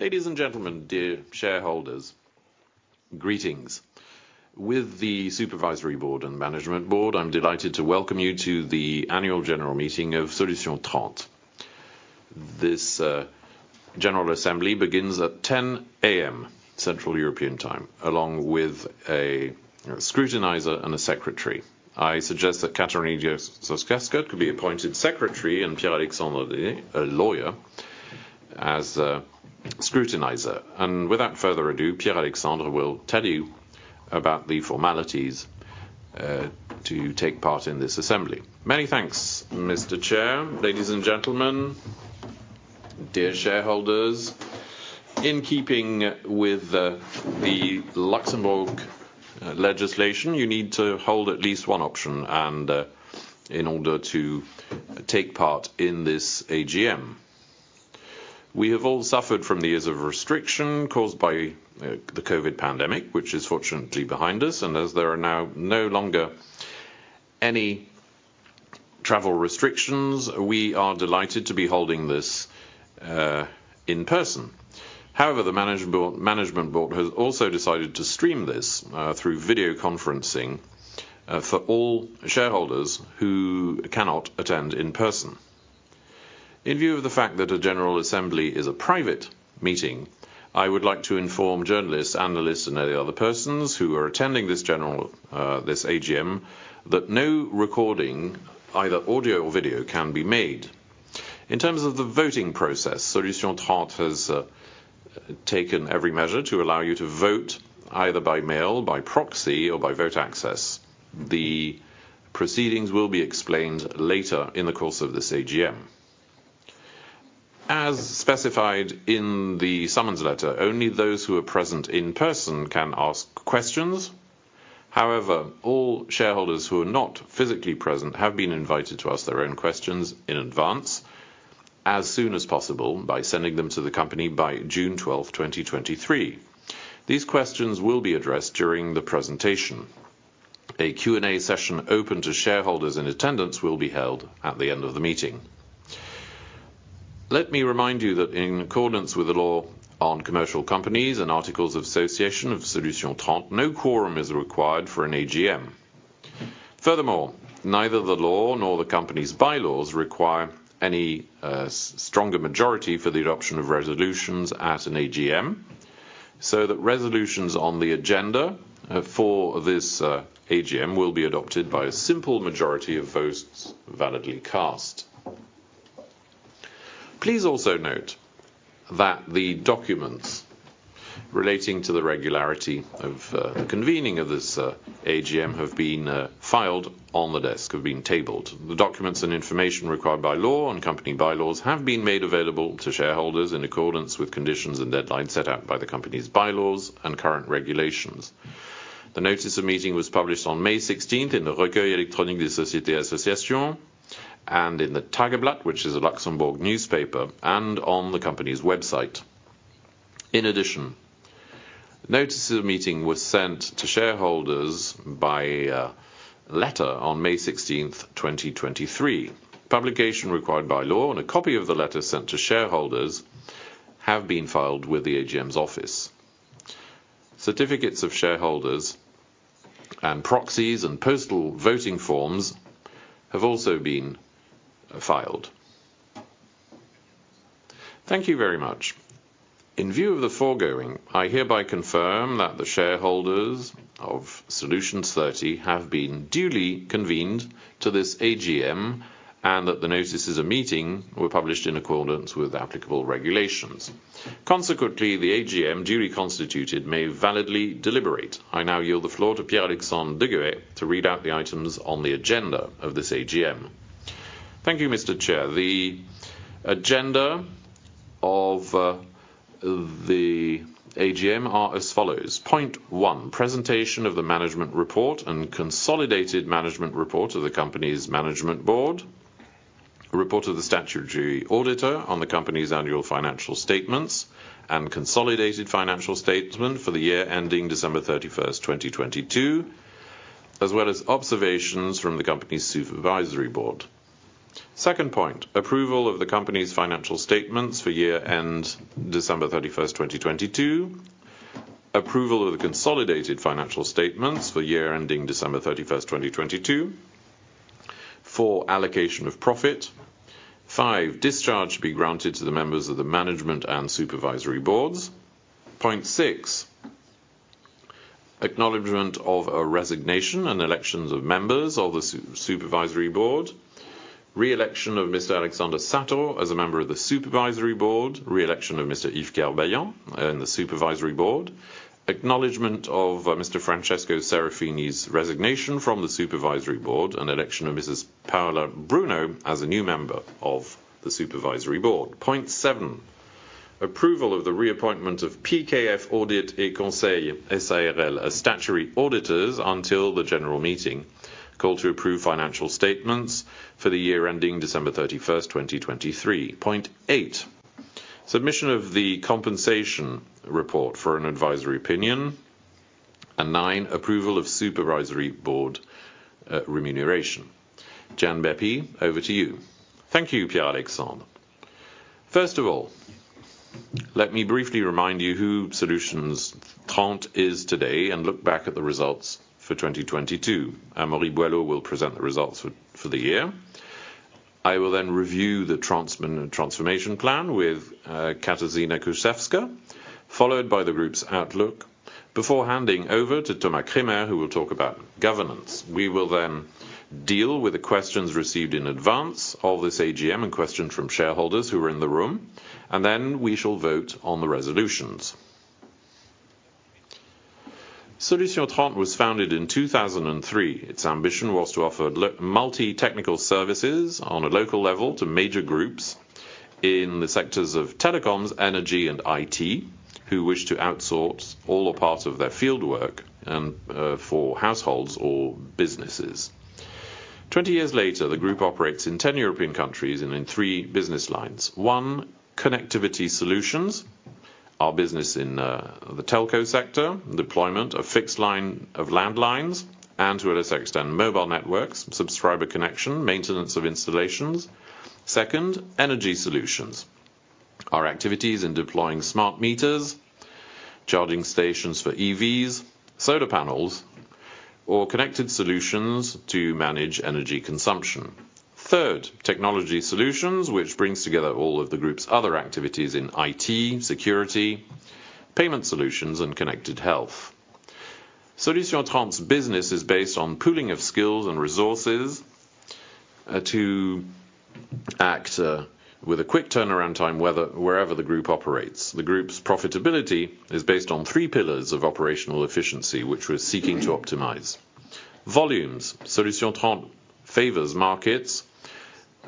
Ladies and gentlemen, dear shareholders, greetings. With the Supervisory Board and Management Board, I'm delighted to welcome you to the Annual General Meeting of Solutions30. This general assembly begins at 10:00 A.M., Central European Time, along with a scrutinizer and a secretary. I suggest that Katarzyna Kuszewska could be appointed secretary, and Pierre-Alexandre, a lawyer, as a scrutinizer. Without further ado, Pierre-Alexandre will tell you about the formalities to take part in this assembly. Many thanks, Mr. Chair. Ladies and gentlemen, dear shareholders, in keeping with the Luxembourg legislation, you need to hold at least one option and in order to take part in this AGM. We have all suffered from the years of restriction caused by the Covid pandemic, which is fortunately behind us, and as there are now no longer any travel restrictions, we are delighted to be holding this in person. However, the management board has also decided to stream this through video conferencing for all shareholders who cannot attend in person. In view of the fact that a general assembly is a private meeting, I would like to inform journalists, analysts, and any other persons who are attending this general, this AGM, that no recording, either audio or video, can be made. In terms of the voting process, Solutions30 has taken every measure to allow you to vote either by mail, by proxy, or by Votaccess. The proceedings will be explained later in the course of this AGM. As specified in the summons letter, only those who are present in person can ask questions. All shareholders who are not physically present have been invited to ask their own questions in advance, as soon as possible, by sending them to the company by June 12, 2023. These questions will be addressed during the presentation. A Q and A session open to shareholders in attendance will be held at the end of the meeting. Let me remind you that in accordance with the law on commercial companies and articles of association of Solutions30, no quorum is required for an AGM. Neither the law nor the company's bylaws require any stronger majority for the adoption of resolutions at an AGM, so that resolutions on the agenda for this AGM will be adopted by a simple majority of votes validly cast. Please also note that the documents relating to the regularity of convening of this AGM have been filed on the desk, have been tabled. The documents and information required by law and company bylaws have been made available to shareholders in accordance with conditions and deadlines set out by the company's bylaws and current regulations. The notice of meeting was published on May 16th in the Recueil Électronique des Sociétés et Associations and in the Tageblatt, which is a Luxembourg newspaper, and on the company's website. Notice of the meeting was sent to shareholders by letter on May 16th, 2023. Publication required by law and a copy of the letter sent to shareholders have been filed with the AGM's office. Certificates of shareholders and proxies and postal voting forms have also been filed. Thank you very much. In view of the foregoing, I hereby confirm that the shareholders of Solutions30 have been duly convened to this AGM, that the notices of meeting were published in accordance with applicable regulations. The AGM, duly constituted, may validly deliberate. I now yield the floor to Pierre-Alexandre Deghaye to read out the items on the agenda of this AGM. Thank you, Mr. Chair. The agenda of the AGM are as follows: point one, presentation of the management report and consolidated management report of the company's management board. A report of the statutory auditor on the company's annual financial statements and consolidated financial statement for the year ending December 31st, 2022, as well as observations from the company's supervisory board. Second point, approval of the company's financial statements for year end December 31st, 2022. Approval of the consolidated financial statements for year ending December 31, 2022. Four, allocation of profit. Five, discharge be granted to the members of the management and supervisory boards. Point six, acknowledgement of a resignation and elections of members of the supervisory board. Re-election of Mr. Alexander Sator as a member of the supervisory board. Re-election of Mr. Yves Kerveillant in the supervisory board. Acknowledgment of Mr. Francesco Serafini's resignation from the supervisory board, and election of Mrs. Paola Bruno as a new member of the supervisory board. Point seven, approval of the reappointment of PKF Audit & Conseil S.à r.l. as statutory auditors until the general meeting, called to approve financial statements for the year ending December 31, 2023. Point eight, submission of the compensation report for an advisory opinion. Nine, approval of supervisory board remuneration. Gianbeppi Fortis, over to you. Thank you, Pierre-Alexandre. First of all, let me briefly remind you who Solutions30 is today, look back at the results for 2022, Amaury Boilot will present the results for the year. I will review the transformation plan with Katarzyna Kuszewska, followed by the group's outlook, before handing over to Thomas Kremer, who will talk about governance. We will deal with the questions received in advance of this AGM and questions from shareholders who are in the room, we shall vote on the resolutions. Solutions30 was founded in 2003. Its ambition was to offer multi-technical services on a local level to major groups in the sectors of telecoms, energy, and IT, who wished to outsource all or part of their field work, for households or businesses. 20 years later, the group operates in 10 European countries and in three business lines. One, connectivity solutions, our business in the telco sector, deployment of fixed line of landlines, and to a less extent, mobile networks, subscriber connection, maintenance of installations. Second, energy solutions. Our activities in deploying smart meters, charging stations for EVs, solar panels, or connected solutions to manage energy consumption. Third, Technology Solutions, which brings together all of the group's other activities in IT, security, Payment Solutions, and Connected Health. Solutions30's business is based on pooling of skills and resources to act with a quick turnaround time, wherever the group operates. The group's profitability is based on three pillars of operational efficiency, which we're seeking to optimize. Volumes: Solutions30 favors markets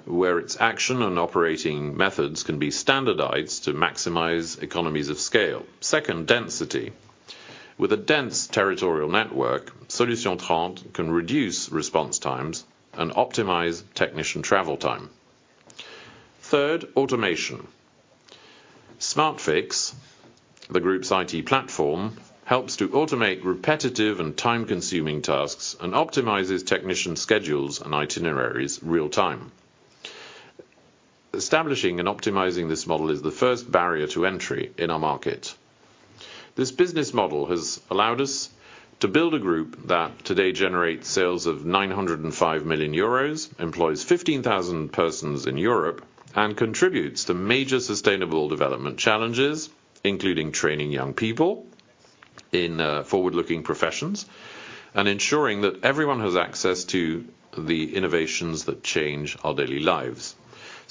where its action and operating methods can be standardized to maximize economies of scale. Second, density. With a dense territorial network, Solutions30 can reduce response times and optimize technician travel time. Third, automation. Smartfix, the group's IT platform, helps to automate repetitive and time-consuming tasks, and optimizes technician schedules and itineraries real time. Establishing and optimizing this model is the first barrier to entry in our market. This business model has allowed us to build a group that today generates sales of 905 million euros, employs 15,000 persons in Europe, and contributes to major sustainable development challenges, including training young people in forward-looking professions, and ensuring that everyone has access to the innovations that change our daily lives.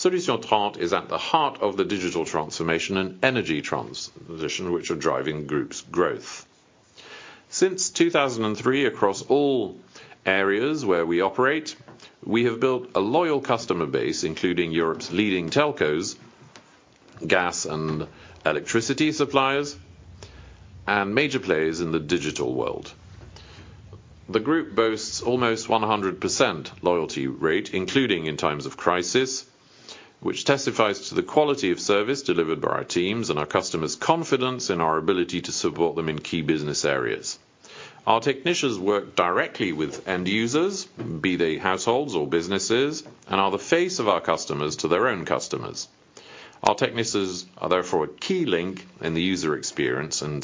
Solutions30 is at the heart of the digital transformation and energy transition, which are driving group's growth. Since 2003, across all areas where we operate, we have built a loyal customer base, including Europe's leading telcos, gas and electricity suppliers, and major players in the digital world. The group boasts almost 100% loyalty rate, including in times of crisis, which testifies to the quality of service delivered by our teams and our customers' confidence in our ability to support them in key business areas. Our technicians work directly with end users, be they households or businesses, and are the face of our customers to their own customers. Our technicians are therefore a key link in the user experience and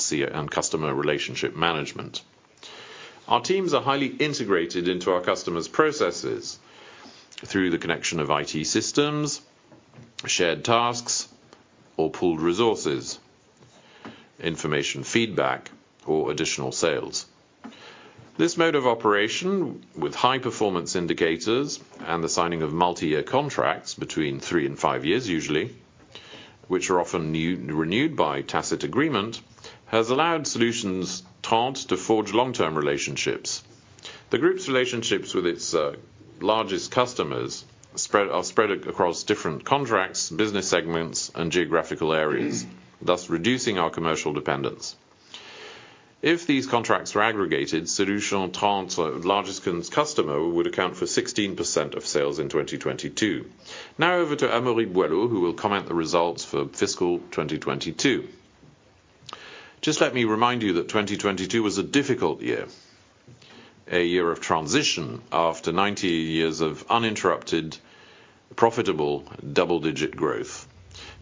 customer relationship management. Our teams are highly integrated into our customers' processes through the connection of IT systems, shared tasks or pooled resources, information feedback, or additional sales. This mode of operation, with high performance indicators and the signing of multi-year contracts between three and five years usually, which are often new, renewed by tacit agreement, has allowed Solutions30 to forge long-term relationships. The group's relationships with its largest customers are spread across different contracts, business segments, and geographical areas, thus reducing our commercial dependence. If these contracts were aggregated, Solutions30's largest customer would account for 16% of sales in 2022. Over to Amaury Boilot, who will comment the results for fiscal 2022. Just let me remind you that 2022 was a difficult year, a year of transition after 90 years of uninterrupted, profitable, double-digit growth.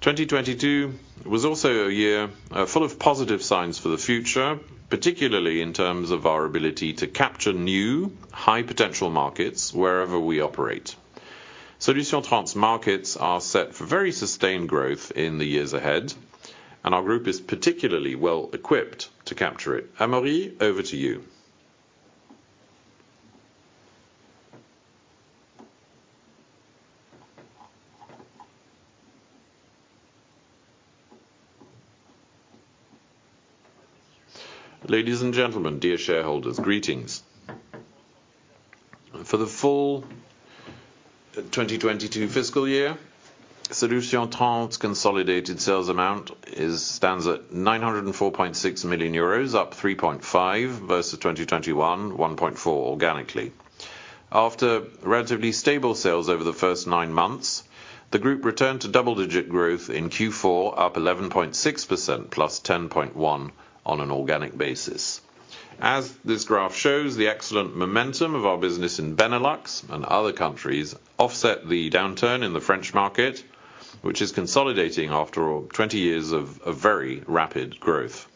2022 was also a year full of positive signs for the future, particularly in terms of our ability to capture new, high-potential markets wherever we operate. Solutions 30's markets are set for very sustained growth in the years ahead, our group is particularly well equipped to capture it. Amaury, over to you. Ladies and gentlemen, dear shareholders, greetings. For the full 2022 fiscal year, Solutions30's consolidated sales amount stands at 904.6 million euros, up 3.5% versus 2021, 1.4% organically. After relatively stable sales over the first nine months, the group returned to double-digit growth in Q4, up 11.6%, +10.1% on an organic basis. As this graph shows, the excellent momentum of our business in Benelux and other countries offset the downturn in the French market, which is consolidating after 20 years of very rapid growth.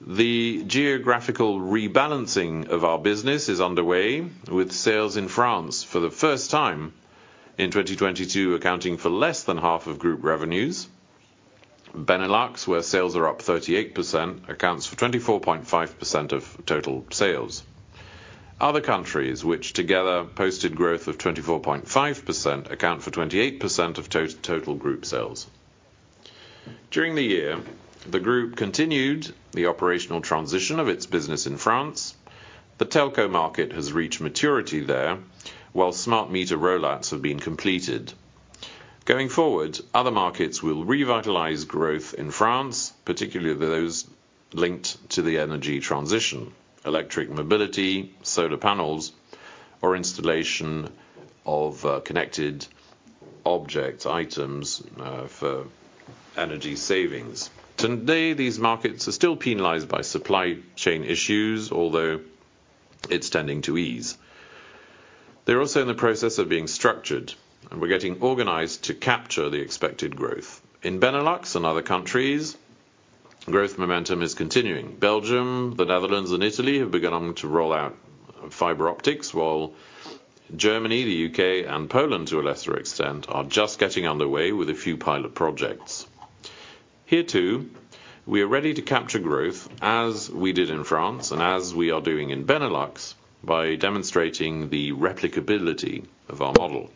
The geographical rebalancing of our business is underway, with sales in France for the first time in 2022, accounting for less than half of group revenues. Benelux, where sales are up 38%, accounts for 24.5% of total sales. Other countries, which together posted growth of 24.5%, account for 28% of total group sales. During the year, the group continued the operational transition of its business in France. The telco market has reached maturity there, while smart meter rollouts have been completed. Going forward, other markets will revitalize growth in France, particularly those linked to the energy transition, electric mobility, solar panels, or installation of connected object items for energy savings. Today, these markets are still penalized by supply chain issues, although it's tending to ease. They're also in the process of being structured, and we're getting organized to capture the expected growth. In Benelux and other countries, growth momentum is continuing. Belgium, the Netherlands, and Italy have begun to roll out fiber optics, while Germany, the U.K., and Poland, to a lesser extent, are just getting underway with a few pilot projects. Here, too, we are ready to capture growth as we did in France and as we are doing in Benelux, by demonstrating the replicability of our model.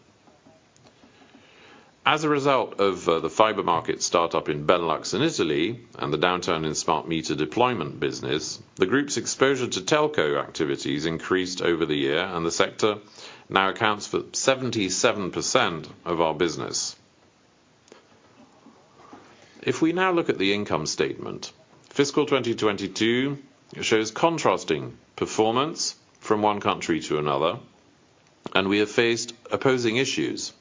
As a result of the fiber market start up in Benelux and Italy, and the downturn in smart meter deployment business, the group's exposure to telco activities increased over the year, and the sector now accounts for 77% of our business. If we now look at the income statement, fiscal 2022 shows contrasting performance from one country to another, we have faced opposing issues.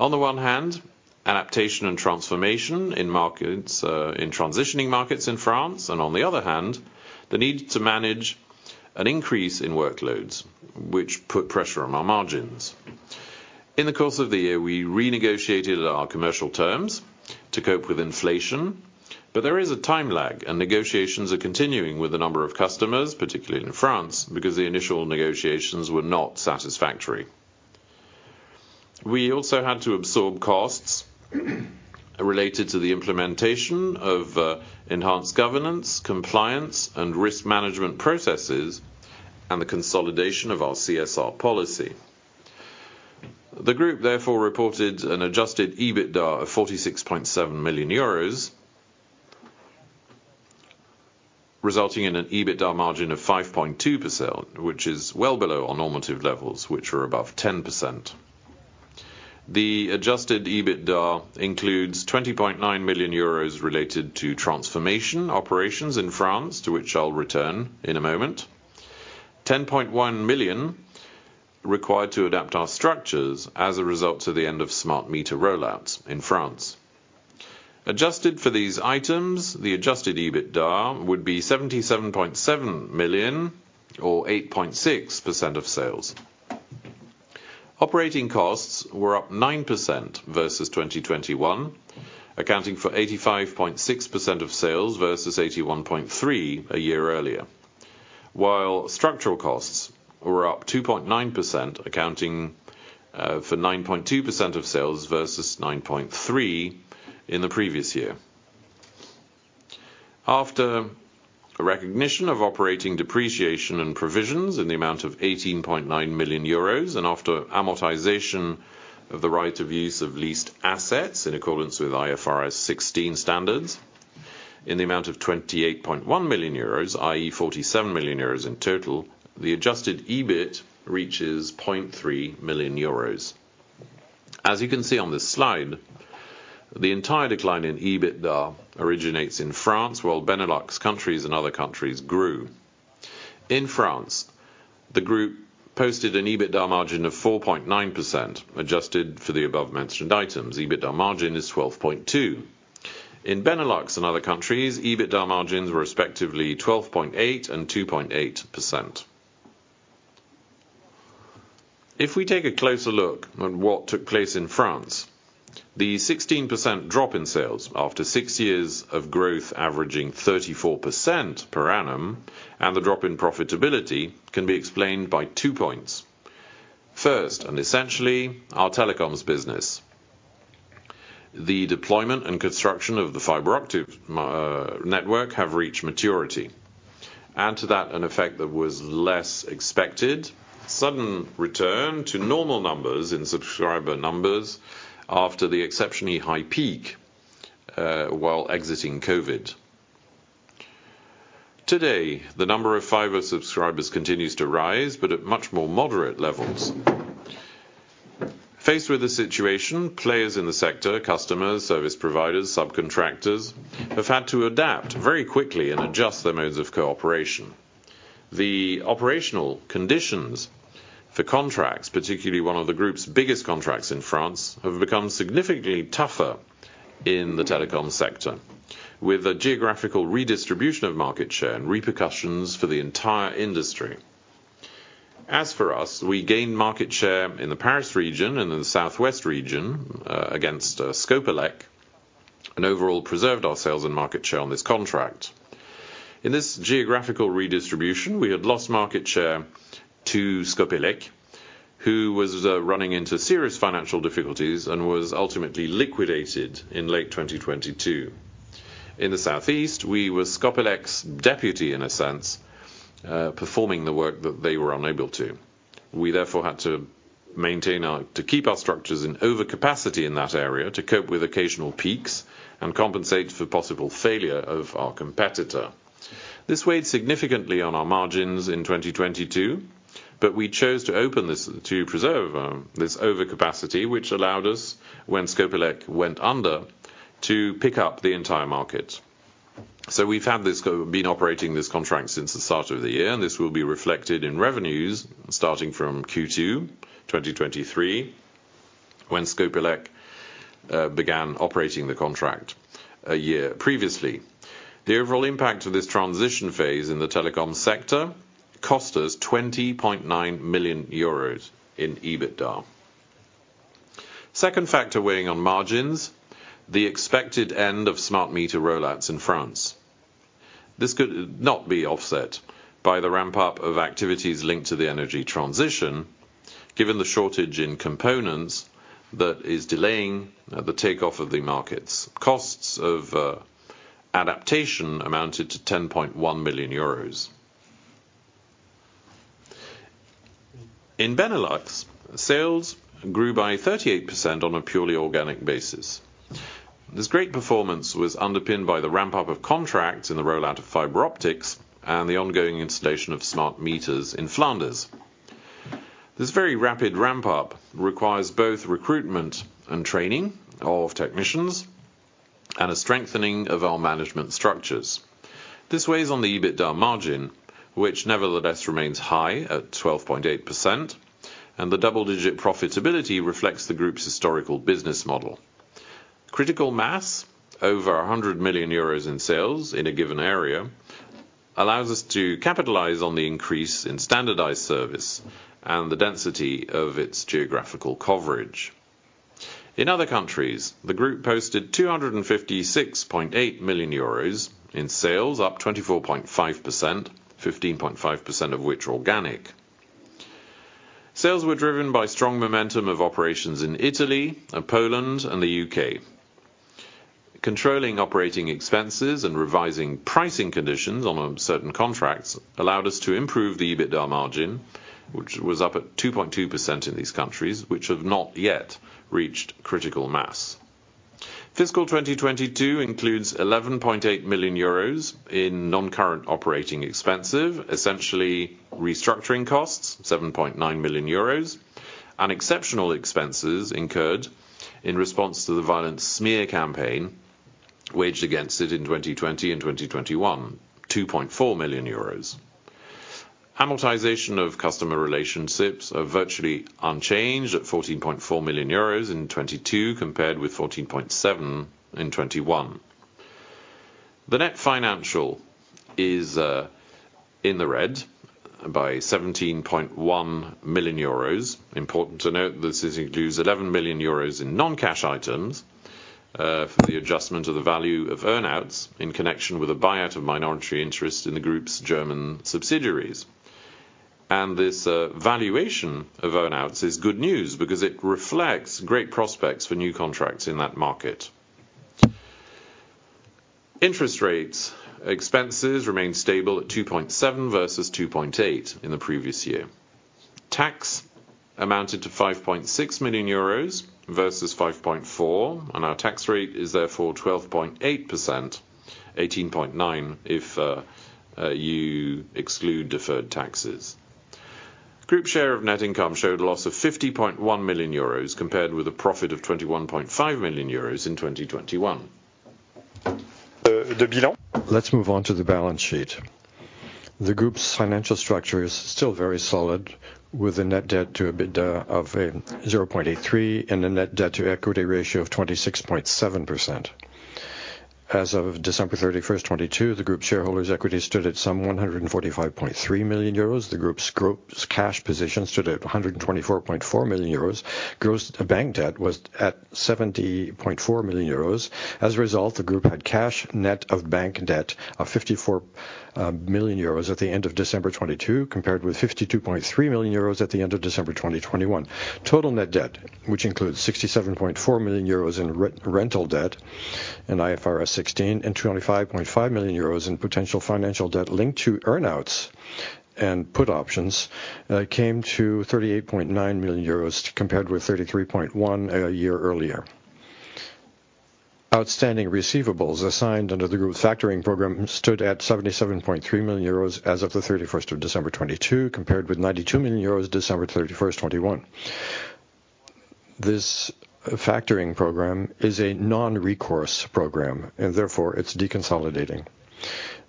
On the one hand, adaptation and transformation in markets, in transitioning markets in France, on the other hand, the need to manage an increase in workloads, which put pressure on our margins. In the course of the year, we renegotiated our commercial terms to cope with inflation, there is a time lag, negotiations are continuing with a number of customers, particularly in France, because the initial negotiations were not satisfactory. We also had to absorb costs related to the implementation of enhanced governance, compliance, and risk management processes, the consolidation of our CSR policy. The group therefore reported an Adjusted EBITDA of 46.7 million euros, resulting in an EBITDA margin of 5.2%, which is well below our normative levels, which are above 10%. The Adjusted EBITDA includes 20.9 million euros related to transformation operations in France, to which I'll return in a moment. 10.1 million required to adapt our structures as a result of the end of smart meter rollouts in France. Adjusted for these items, the Adjusted EBITDA would be 77.7 million, or 8.6% of sales. Operating costs were up 9% versus 2021, accounting for 85.6% of sales versus 81.3% a year earlier. While structural costs were up 2.9%, accounting for 9.2% of sales versus 9.3% in the previous year. After a recognition of operating depreciation and provisions in the amount of 18.9 million euros, and after amortization of the right of use of leased assets in accordance with IFRS 16 standards, in the amount of 28.1 million euros, i.e., 47 million euros in total, the Adjusted EBIT reaches 0.3 million euros. As you can see on this slide, the entire decline in EBITDA originates in France, while Benelux countries and other countries grew. In France, the group posted an EBITDA margin of 4.9%. Adjusted for the above-mentioned items, EBITDA margin is 12.2%. In Benelux and other countries, EBITDA margins were respectively 12.8% and 2.8%. We take a closer look at what took place in France, the 16% drop in sales after six years of growth averaging 34% per annum, and the drop in profitability can be explained by two points. First, and essentially, our telecoms business. The deployment and construction of the fiber optic network have reached maturity. Add to that, an effect that was less expected, sudden return to normal numbers and subscriber numbers after the exceptionally high peak while exiting COVID. Today, the number of fiber subscribers continues to rise, but at much more moderate levels. Faced with the situation, players in the sector, customers, service providers, subcontractors, have had to adapt very quickly and adjust their modes of cooperation. The operational conditions for contracts, particularly one of the group's biggest contracts in France, have become significantly tougher in the telecom sector, with a geographical redistribution of market share and repercussions for the entire industry. As for us, we gained market share in the Paris region and in the southwest region, against Scopelec, and overall preserved our sales and market share on this contract. In this geographical redistribution, we had lost market share to Scopelec, who was running into serious financial difficulties and was ultimately liquidated in late 2022. In the southeast, we were Scopelec's deputy, in a sense, performing the work that they were unable to. We therefore had to keep our structures in overcapacity in that area to cope with occasional peaks and compensate for possible failure of our competitor. This weighed significantly on our margins in 2022. We chose to preserve this overcapacity, which allowed us, when Scopelec went under, to pick up the entire market. We've had been operating this contract since the start of the year, and this will be reflected in revenues starting from Q2 2023, when Scopelec began operating the contract a year previously. The overall impact of this transition phase in the telecom sector cost us 20.9 million euros in EBITDA. Second factor weighing on margins, the expected end of smart meter rollouts in France. This could not be offset by the ramp-up of activities linked to the energy transition, given the shortage in components that is delaying the takeoff of the markets. Costs of adaptation amounted to EUR 10.1 million. In Benelux, sales grew by 38% on a purely organic basis. This great performance was underpinned by the ramp-up of contracts in the rollout of fiber optics and the ongoing installation of smart meters in Flanders. This very rapid ramp-up requires both recruitment and training of technicians and a strengthening of our management structures. This weighs on the EBITDA margin, which nevertheless remains high at 12.8%, and the double-digit profitability reflects the group's historical business model. Critical mass, over 100 million euros in sales in a given area, allows us to capitalize on the increase in standardized service and the density of its geographical coverage. In other countries, the group posted 256.8 million euros in sales, up 24.5%, 15.5% of which, organic. Sales were driven by strong momentum of operations in Italy and Poland and the U.K. Controlling operating expenses and revising pricing conditions on certain contracts allowed us to improve the EBITDA margin, which was up at 2.2% in these countries, which have not yet reached critical mass. Fiscal 2022 includes 11.8 million euros in non-current operating expenses, essentially restructuring costs, 7.9 million euros, and exceptional expenses incurred in response to the violent smear campaign waged against it in 2020 and 2021, 2.4 million euros. Amortization of customer relationships are virtually unchanged at 14.4 million euros in 2022, compared with 14.7 million in 2021. The net financial is in the red by 17.1 million euros. Important to note, this includes 11 million euros in non-cash items for the adjustment of the value of earn-outs in connection with the buyout of minority interest in the group's German subsidiaries. This valuation of earn-outs is good news because it reflects great prospects for new contracts in that market. Interest rates, expenses remain stable at 2.7% versus 2.8% in the previous year. Tax amounted to 5.6 million euros versus 5.4 million, our tax rate is therefore 12.8%, 18.9% if you exclude deferred taxes. Group share of net income showed a loss of 50.1 million euros, compared with a profit of 21.5 million euros in 2021. Gianbeppi. Let's move on to the balance sheet. The group's financial structure is still very solid, with a net debt to EBITDA of 0.83 and a net debt to equity ratio of 26.7%. As of December 31st, 2022, the group's shareholders' equity stood at some 145.3 million euros. The group's cash position stood at 124.4 million euros. Gross bank debt was at 70.4 million euros. As a result, the group had cash net of bank debt of 54 million euros at the end of December 2022, compared with 52.3 million euros at the end of December 2021. Total net debt, which includes 67.4 million euros in rental debt and IFRS 16 and 25.5 million euros in potential financial debt linked to earn-outs and put options, came to 38.9 million euros, compared with 33.1 a year earlier. outstanding receivables assigned under the group's factoring program stood at 77.3 million euros as of the 31st of December 2022, compared with 92 million euros, December 31st 2021. This factoring program is a non-recourse program, therefore it's deconsolidating.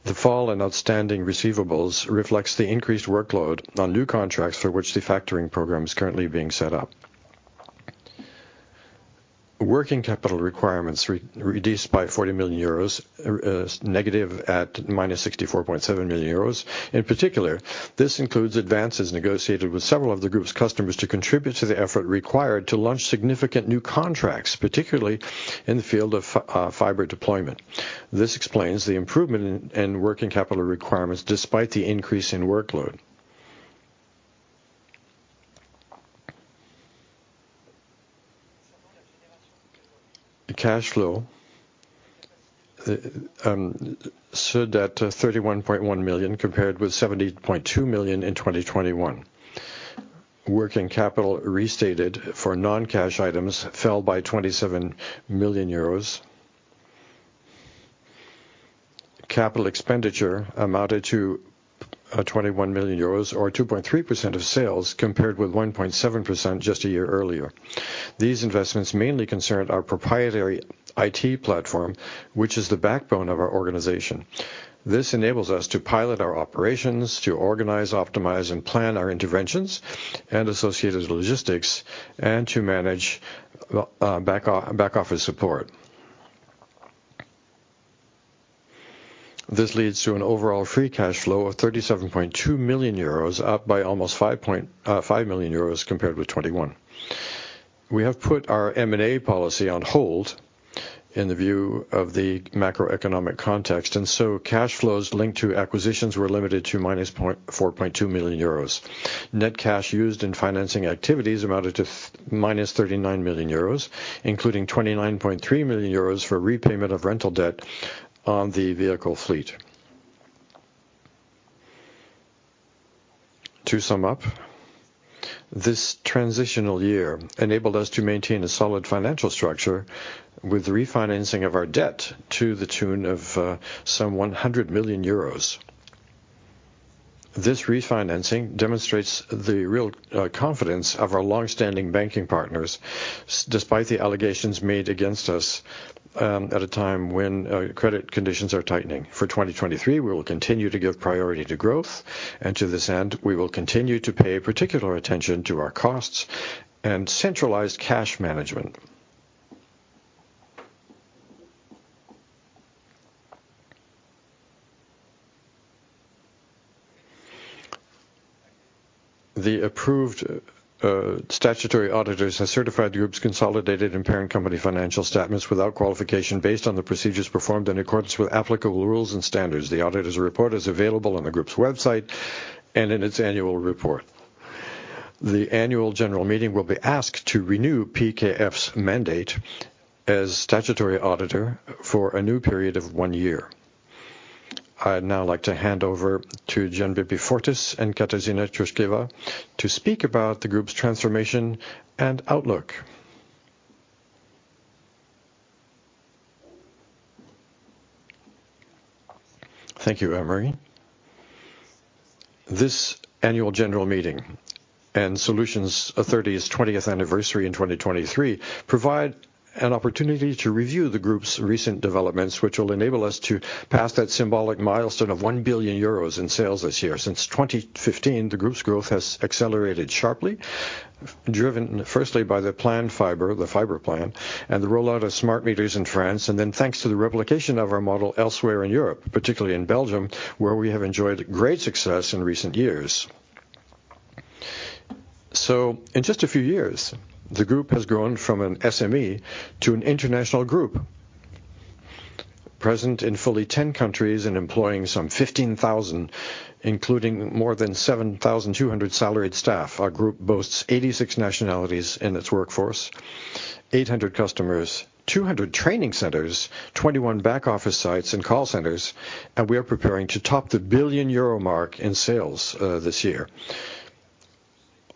The fall in outstanding receivables reflects the increased workload on new contracts for which the factoring program is currently being set up. Working capital requirements reduced by 40 million euros, is negative at -64.7 million euros. In particular, this includes advances negotiated with several of the group's customers to contribute to the effort required to launch significant new contracts, particularly in the field of fiber deployment. This explains the improvement in working capital requirements despite the increase in workload. Cash flow stood at 31.1 million, compared with 70.2 million in 2021. Working capital restated for non-cash items fell by 27 million euros. Capital expenditure amounted to 21 million euros or 2.3% of sales, compared with 1.7% just a year earlier. These investments mainly concerned our proprietary IT platform, which is the backbone of our organization. This enables us to pilot our operations, to organize, optimize, and plan our interventions and associated logistics, and to manage back-office support. This leads to an overall free cash flow of 37.2 million euros, up by almost 5 million euros compared with 2021. We have put our M&A policy on hold in the view of the macroeconomic context, and so cash flows linked to acquisitions were limited to -4.2 million euros. Net cash used in financing activities amounted to -39 million euros, including 29.3 million euros for repayment of rental debt on the vehicle fleet. To sum up, this transitional year enabled us to maintain a solid financial structure with refinancing of our debt to the tune of some 100 million euros. This refinancing demonstrates the real confidence of our long-standing banking partners, despite the allegations made against us, at a time when credit conditions are tightening. For 2023, we will continue to give priority to growth, and to this end, we will continue to pay particular attention to our costs and centralized cash management. The approved statutory auditors have certified the group's consolidated and parent company financial statements without qualification, based on the procedures performed in accordance with applicable rules and standards. The auditors' report is available on the group's website and in its annual report. The annual general meeting will be asked to renew PKF's mandate as statutory auditor for a new period of one year. I'd now like to hand over to Gianbeppi Fortis and Katarzyna Kuszewska to speak about the group's transformation and outlook. Thank you, Amaury Boilot. This Annual General meeting and Solutions 30's 20th anniversary in 2023 provide an opportunity to review the group's recent developments, which will enable us to pass that symbolic milestone of 1 billion euros in sales this year. Since 2015, the group's growth has accelerated sharply, driven firstly by the planned fiber, the fiber plan, and the rollout of smart meters in France. Then thanks to the replication of our model elsewhere in Europe, particularly in Belgium, where we have enjoyed great success in recent years. In just a few years, the group has grown from an SME to an international group. Present in fully 10 countries and employing some 15,000, including more than 7,200 salaried staff. Our group boasts 86 nationalities in its workforce, 800 customers, 200 training centers, 21 back office sites and call centers, we are preparing to top the 1 billion euro mark in sales this year.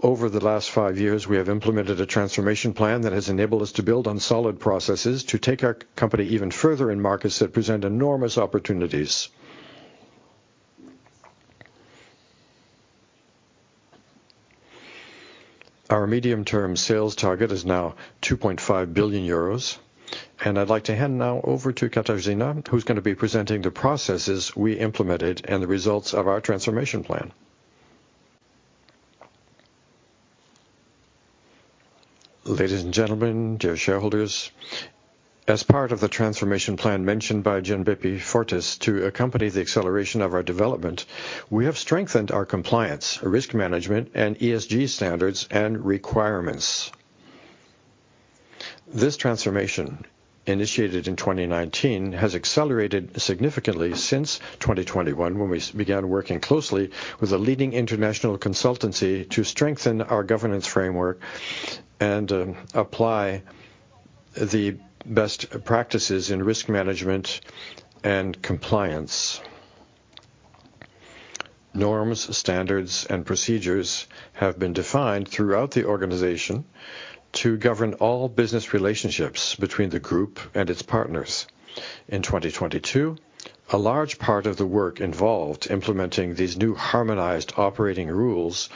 Over the last five years, we have implemented a transformation plan that has enabled us to build on solid processes to take our company even further in markets that present enormous opportunities. Our medium-term sales target is now 2.5 billion euros, I'd like to hand now over to Katarzyna, who's going to be presenting the processes we implemented and the results of our transformation plan. Ladies and gentlemen, dear shareholders, as part of the transformation plan mentioned by Gianbeppi Fortis, to accompany the acceleration of our development, we have strengthened our compliance, risk management, and ESG standards and requirements. This transformation, initiated in 2019, has accelerated significantly since 2021, when we began working closely with a leading international consultancy to strengthen our governance framework and apply the best practices in risk management and compliance. Norms, standards, and procedures have been defined throughout the organization to govern all business relationships between the group and its partners. In 2022, a large part of the work involved implementing these new harmonized operating rules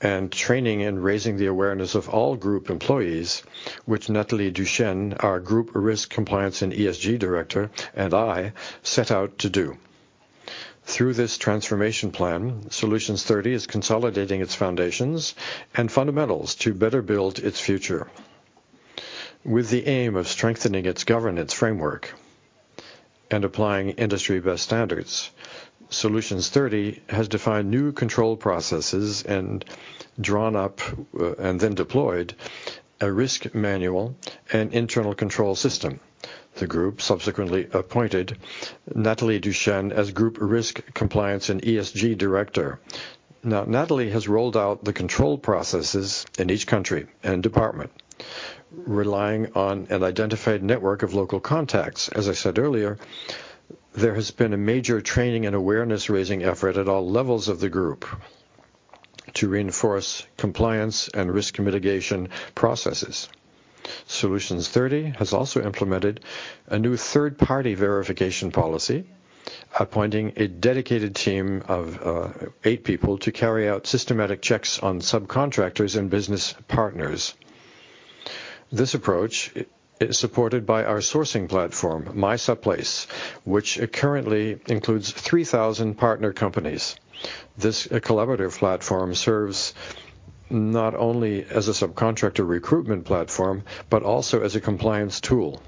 and training and raising the awareness of all group employees, which Nathalie Duchesne, our Group Risk Compliance and ESG Director, and I set out to do. Through this transformation plan, Solutions30 is consolidating its foundations and fundamentals to better build its future. With the aim of strengthening its governance framework and applying industry best standards, Solutions30 has defined new control processes and drawn up and then deployed a risk manual and internal control system. The group subsequently appointed Nathalie Duchesne as Group Risk Compliance and ESG Director. Nathalie has rolled out the control processes in each country and department, relying on an identified network of local contacts. As I said earlier, there has been a major training and awareness-raising effort at all levels of the group to reinforce compliance and risk mitigation processes. Solutions 30 has also implemented a new third-party verification policy, appointing a dedicated team of eight people to carry out systematic checks on subcontractors and business partners. This approach is supported by our sourcing platform, MySupplace, which currently includes 3,000 partner companies. This collaborative platform serves not only as a subcontractor recruitment platform, but also as a compliance tool.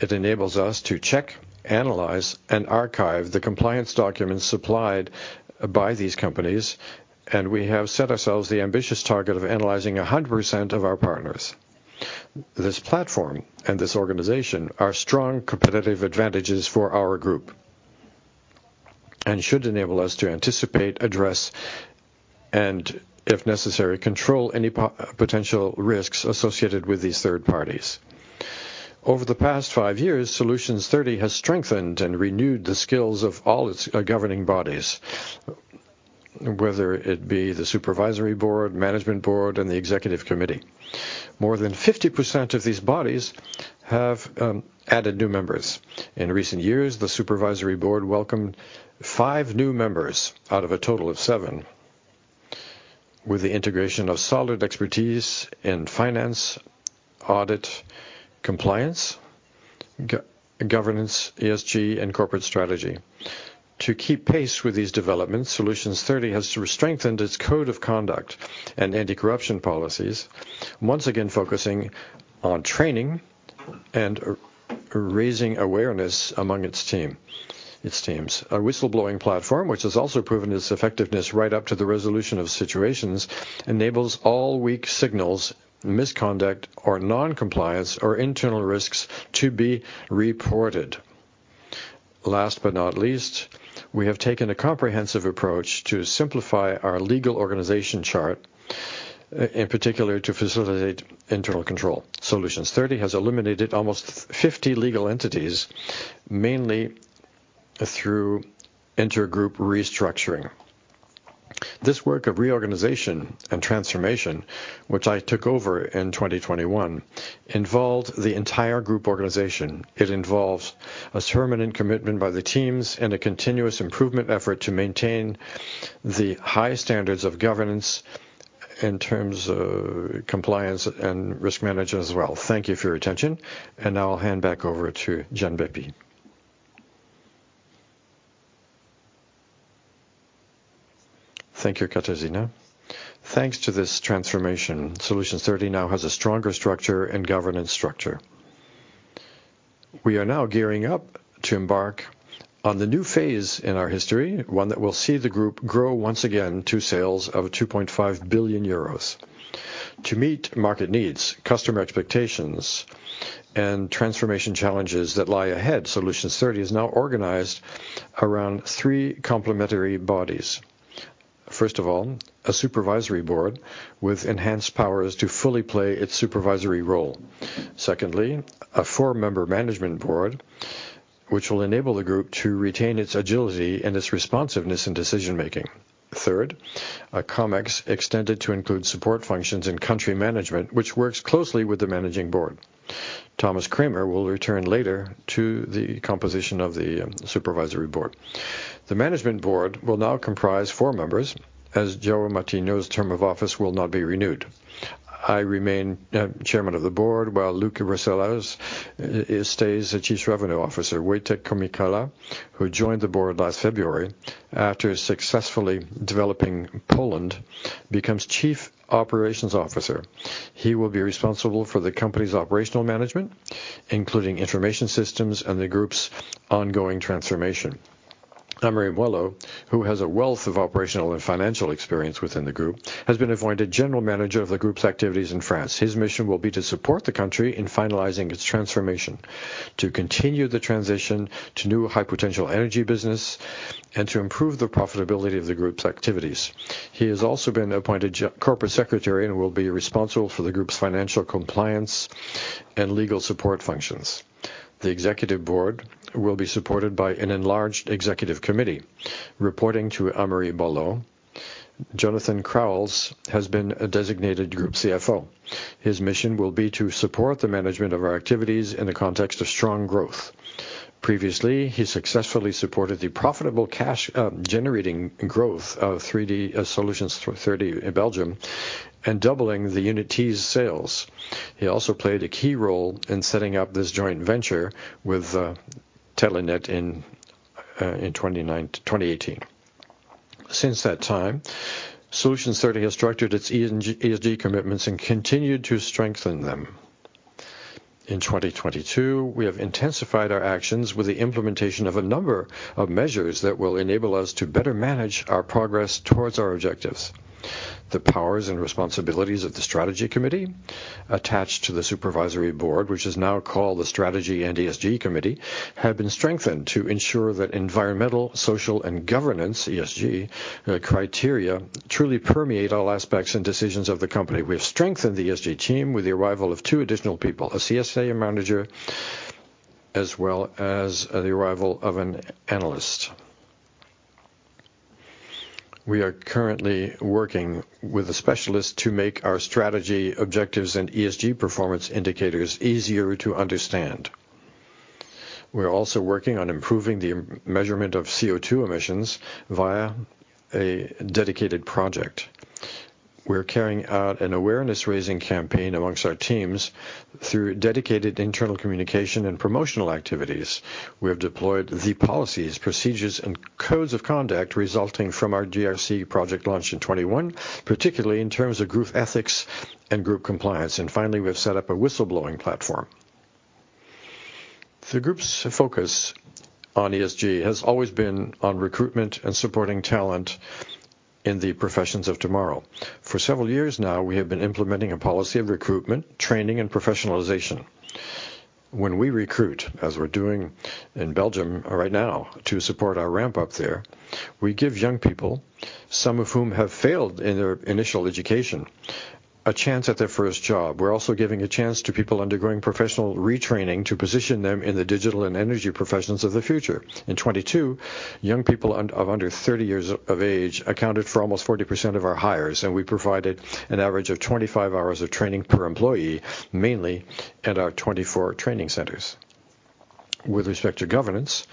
It enables us to check, analyze, and archive the compliance documents supplied by these companies. We have set ourselves the ambitious target of analyzing 100% of our partners. This platform and this organization are strong competitive advantages for our group and should enable us to anticipate, address, and, if necessary, control any potential risks associated with these third parties. Over the past five years, Solutions30 has strengthened and renewed the skills of all its governing bodies, whether it be the Supervisory Board, Management Board, and the Executive Committee. More than 50% of these bodies have added new members. In recent years, the supervisory board welcomed five new members out of a total of seven, with the integration of solid expertise in finance, audit, compliance, governance, ESG, and corporate strategy. To keep pace with these developments, Solutions30 has strengthened its code of conduct and anti-corruption policies, once again focusing on training and raising awareness among its teams. A whistleblowing platform, which has also proven its effectiveness right up to the resolution of situations, enables all weak signals, misconduct or non-compliance or internal risks to be reported. Last but not least, we have taken a comprehensive approach to simplify our legal organization chart, in particular, to facilitate internal control. Solutions30 has eliminated almost 50 legal entities, mainly through intergroup restructuring. This work of reorganization and transformation, which I took over in 2021, involved the entire group organization. It involves a determined commitment by the teams and a continuous improvement effort to maintain the high standards of governance in terms of compliance and risk management as well. Thank you for your attention, now I'll hand back over to Gianbeppi Fortis. Thank you, Katarzyna. Thanks to this transformation, Solutions30 now has a stronger structure and governance structure. We are now gearing up to embark on the new phase in our history, one that will see the group grow once again to sales of 2.5 billion euros. To meet market needs, customer expectations, and transformation challenges that lie ahead, Solutions30 is now organized around three complementary bodies. First of all, a supervisory board with enhanced powers to fully play its supervisory role. Secondly, a four-member management board, which will enable the group to retain its agility and its responsiveness in decision-making. A Comex extended to include support functions in country management, which works closely with the managing board. Thomas Kremer will return later to the composition of the supervisory board. The management board will now comprise four members, as João Martinho's term of office will not be renewed. I remain chairman of the board, while Luc Brusselaers stays the Chief Revenue Officer. Wojciech Pomykała, who joined the board last February after successfully developing Poland, becomes Chief Operations Officer. He will be responsible for the company's operational management, including information systems and the group's ongoing transformation. Amaury Boilot, who has a wealth of operational and financial experience within the group, has been appointed General Manager of the group's activities in France. His mission will be to support the country in finalizing its transformation, to continue the transition to new high-potential energy business, and to improve the profitability of the group's activities. He has also been appointed Corporate Secretary and will be responsible for the group's financial and legal support functions. The executive board will be supported by an enlarged executive committee. Reporting to Amaury Boilot, Jonathan Crauwels has been a designated group CFO. His mission will be to support the management of our activities in the context of strong growth. Previously, he successfully supported the profitable cash generating growth of Solutions30 in Belgium and doubling theUnit-T sales. He also played a key role in setting up this joint venture with Telenet in 2018. Since that time, Solutions30 has structured its ESG commitments and continued to strengthen them. In 2022, we have intensified our actions with the implementation of a number of measures that will enable us to better manage our progress towards our objectives. The powers and responsibilities of the strategy committee attached to the supervisory board, which is now called the Strategy and ESG Committee, have been strengthened to ensure that environmental, social, and governance, ESG, criteria truly permeate all aspects and decisions of the company. We have strengthened the ESG team with the arrival of two additional people, a CSA manager, as well as the arrival of an analyst. We are currently working with a specialist to make our strategy, objectives, and ESG performance indicators easier to understand. We're also working on improving the measurement of CO2 emissions via a dedicated project. We're carrying out an awareness-raising campaign among our teams through dedicated internal communication and promotional activities. We have deployed the policies, procedures, and codes of conduct resulting from our GRC project launch in 2021, particularly in terms of group ethics and group compliance. Finally, we have set up a whistleblowing platform. The group's focus on ESG has always been on recruitment and supporting talent in the professions of tomorrow. For several years now, we have been implementing a policy of recruitment, training, and professionalization. When we recruit, as we're doing in Belgium right now to support our ramp-up there, we give young people, some of whom have failed in their initial education, a chance at their first job. We're also giving a chance to people undergoing professional retraining to position them in the digital and energy professions of the future. In 2022, young people under 30 years of age accounted for almost 40% of our hires, and we provided an average of 25 hours of training per employee, mainly at our 24 training centers. With respect to governance,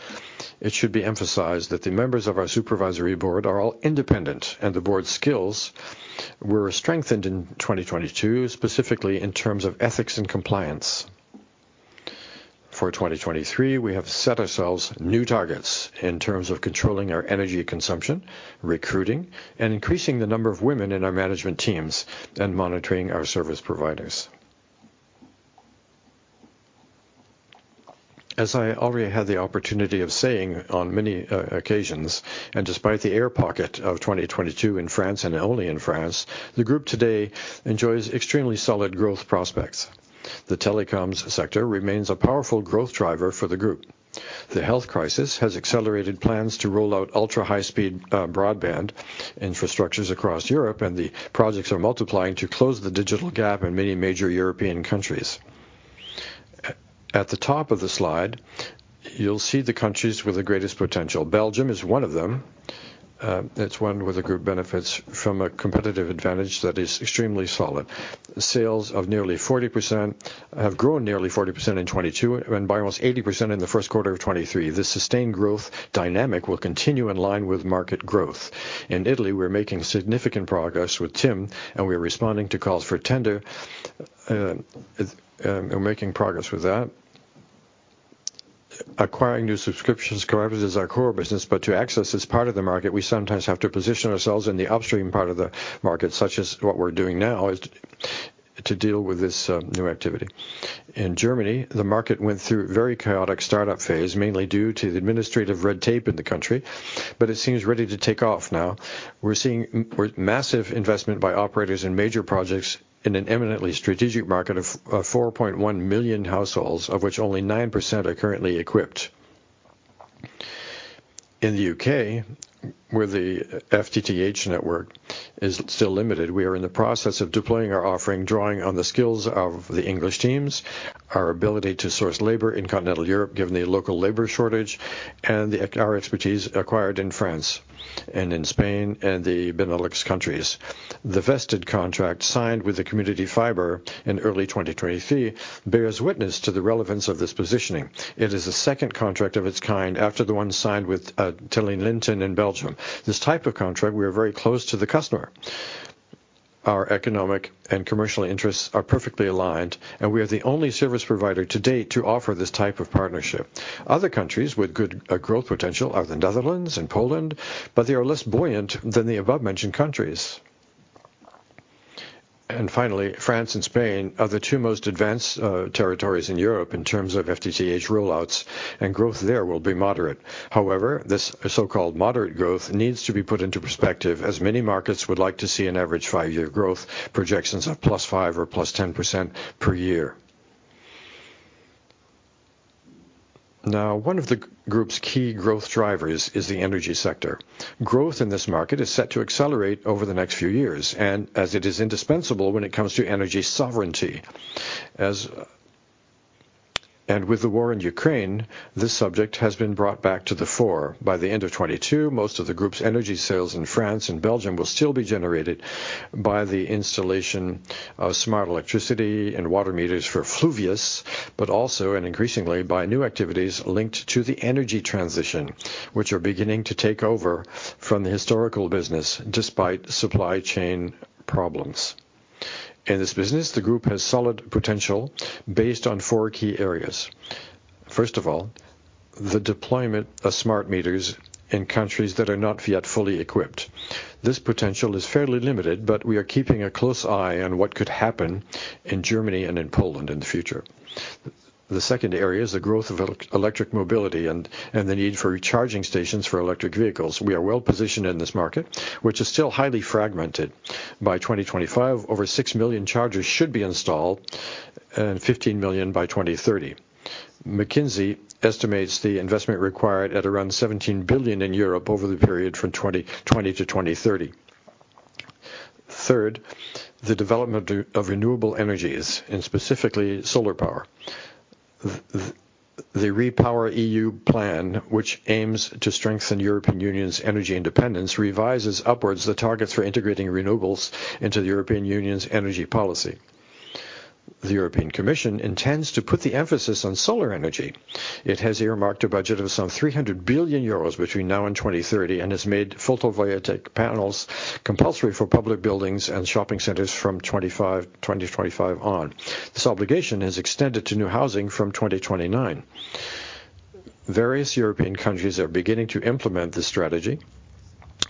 it should be emphasized that the members of our supervisory board are all independent, and the board's skills were strengthened in 2022, specifically in terms of ethics and compliance. For 2023, we have set ourselves new targets in terms of controlling our energy consumption, recruiting, and increasing the number of women in our management teams and monitoring our service providers. As I already had the opportunity of saying on many occasions, despite the air pocket of 2022 in France and only in France, the group today enjoys extremely solid growth prospects. The telecoms sector remains a powerful growth driver for the group. The health crisis has accelerated plans to roll out ultra-high speed broadband infrastructures across Europe. The projects are multiplying to close the digital gap in many major European countries. At the top of the slide, you'll see the countries with the greatest potential. Belgium is one of them. It's one where the group benefits from a competitive advantage that is extremely solid. Sales have grown nearly 40% in 2022 and by almost 80% in the first quarter of 2023. This sustained growth dynamic will continue in line with market growth. In Italy, we're making significant progress with TIM. We are responding to calls for tender and making progress with that. Acquiring new subscriptions, of course, is our core business, but to access this part of the market, we sometimes have to position ourselves in the upstream part of the market, such as what we're doing now is to deal with this new activity. In Germany, the market went through a very chaotic startup phase, mainly due to the administrative red tape in the country, but it seems ready to take off now. We're seeing massive investment by operators in major projects in an imminently strategic market of 4.1 million households, of which only 9% are currently equipped. In the U.K., where the FTTH network is still limited, we are in the process of deploying our offering, drawing on the skills of the English teams, our ability to source labor in continental Europe, given the local labor shortage, and our expertise acquired in France and in Spain and the Benelux countries. The vested contract signed with Community Fibre in early 2023 bears witness to the relevance of this positioning. It is the second contract of its kind after the one signed with Telenet in Belgium. This type of contract, we are very close to the customer. Our economic and commercial interests are perfectly aligned, and we are the only service provider to date to offer this type of partnership. Other countries with good growth potential are the Netherlands and Poland, but they are less buoyant than the above-mentioned countries. Finally, France and Spain are the two most advanced territories in Europe in terms of FTTH rollouts, and growth there will be moderate. However, this so-called moderate growth needs to be put into perspective, as many markets would like to see an average five year growth projections of +5% or +10% per year. One of the Group's key growth drivers is the energy sector. Growth in this market is set to accelerate over the next few years, and as it is indispensable when it comes to energy sovereignty. With the war in Ukraine, this subject has been brought back to the fore. By the end of 2022, most of the Group's energy sales in France and Belgium will still be generated by the installation of smart electricity and water meters for Fluvius, also, and increasingly, by new activities linked to the energy transition, which are beginning to take over from the historical business despite supply chain problems. In this business, the Group has solid potential based on four key areas. First of all, the deployment of smart meters in countries that are not yet fully equipped. This potential is fairly limited, but we are keeping a close eye on what could happen in Germany and in Poland in the future. The second area is the growth of electric mobility and the need for recharging stations for electric vehicles. We are well-positioned in this market, which is still highly fragmented. By 2025, over 6 million chargers should be installed, and 15 million by 2030. McKinsey estimates the investment required at around 17 billion in Europe over the period from 2020 to 2030. The REPowerEU plan, which aims to strengthen European Union's energy independence, revises upwards the targets for integrating renewables into the European Union's energy policy. The European Commission intends to put the emphasis on solar energy. It has earmarked a budget of some 300 billion euros between now and 2030, and has made photovoltaic panels compulsory for public buildings and shopping centers from 2025 on. This obligation is extended to new housing from 2029. Various European countries are beginning to implement this strategy,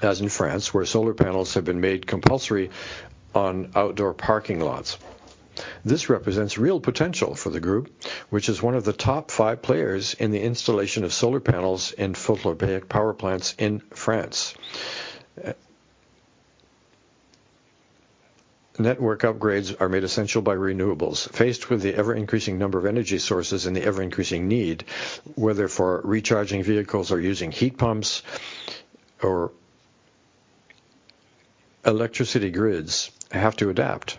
as in France, where solar panels have been made compulsory on outdoor parking lots. This represents real potential for the Group, which is one of the top five players in the installation of solar panels and photovoltaic power plants in France. Network upgrades are made essential by renewables. Faced with the ever-increasing number of energy sources and the ever-increasing need, whether for recharging vehicles or using heat pumps, electricity grids have to adapt.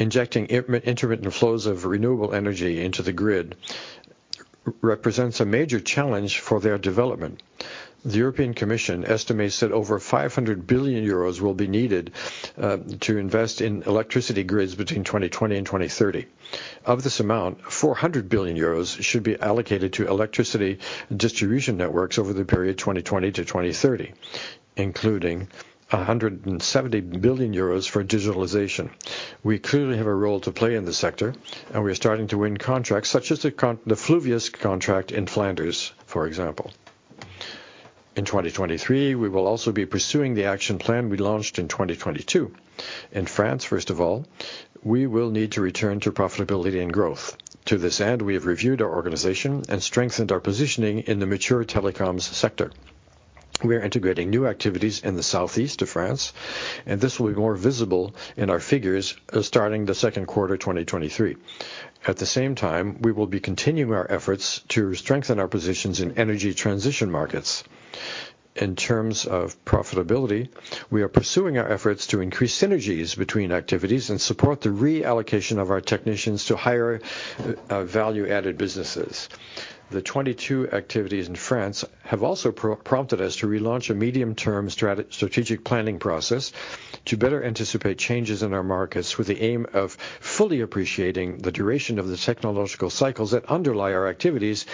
Injecting intermittent flows of renewable energy into the grid represents a major challenge for their development. The European Commission estimates that over 500 billion euros will be needed to invest in electricity grids between 2020 and 2030. Of this amount, 400 billion euros should be allocated to electricity distribution networks over the period 2020-2030, including 170 billion euros for digitalization. We clearly have a role to play in this sector, and we are starting to win contracts, such as the Fluvius contract in Flanders, for example. In 2023, we will also be pursuing the action plan we launched in 2022. In France, first of all, we will need to return to profitability and growth. To this end, we have reviewed our organization and strengthened our positioning in the mature telecoms sector. We are integrating new activities in the southeast of France, and this will be more visible in our figures, starting the second quarter, 2023. At the same time, we will be continuing our efforts to strengthen our positions in energy transition markets. In terms of profitability, we are pursuing our efforts to increase synergies between activities and support the reallocation of our technicians to higher value-added businesses. The 22 activities in France have also prompted us to relaunch a medium-term strategic planning process, to better anticipate changes in our markets, with the aim of fully appreciating the duration of the technological cycles that underlie our activities,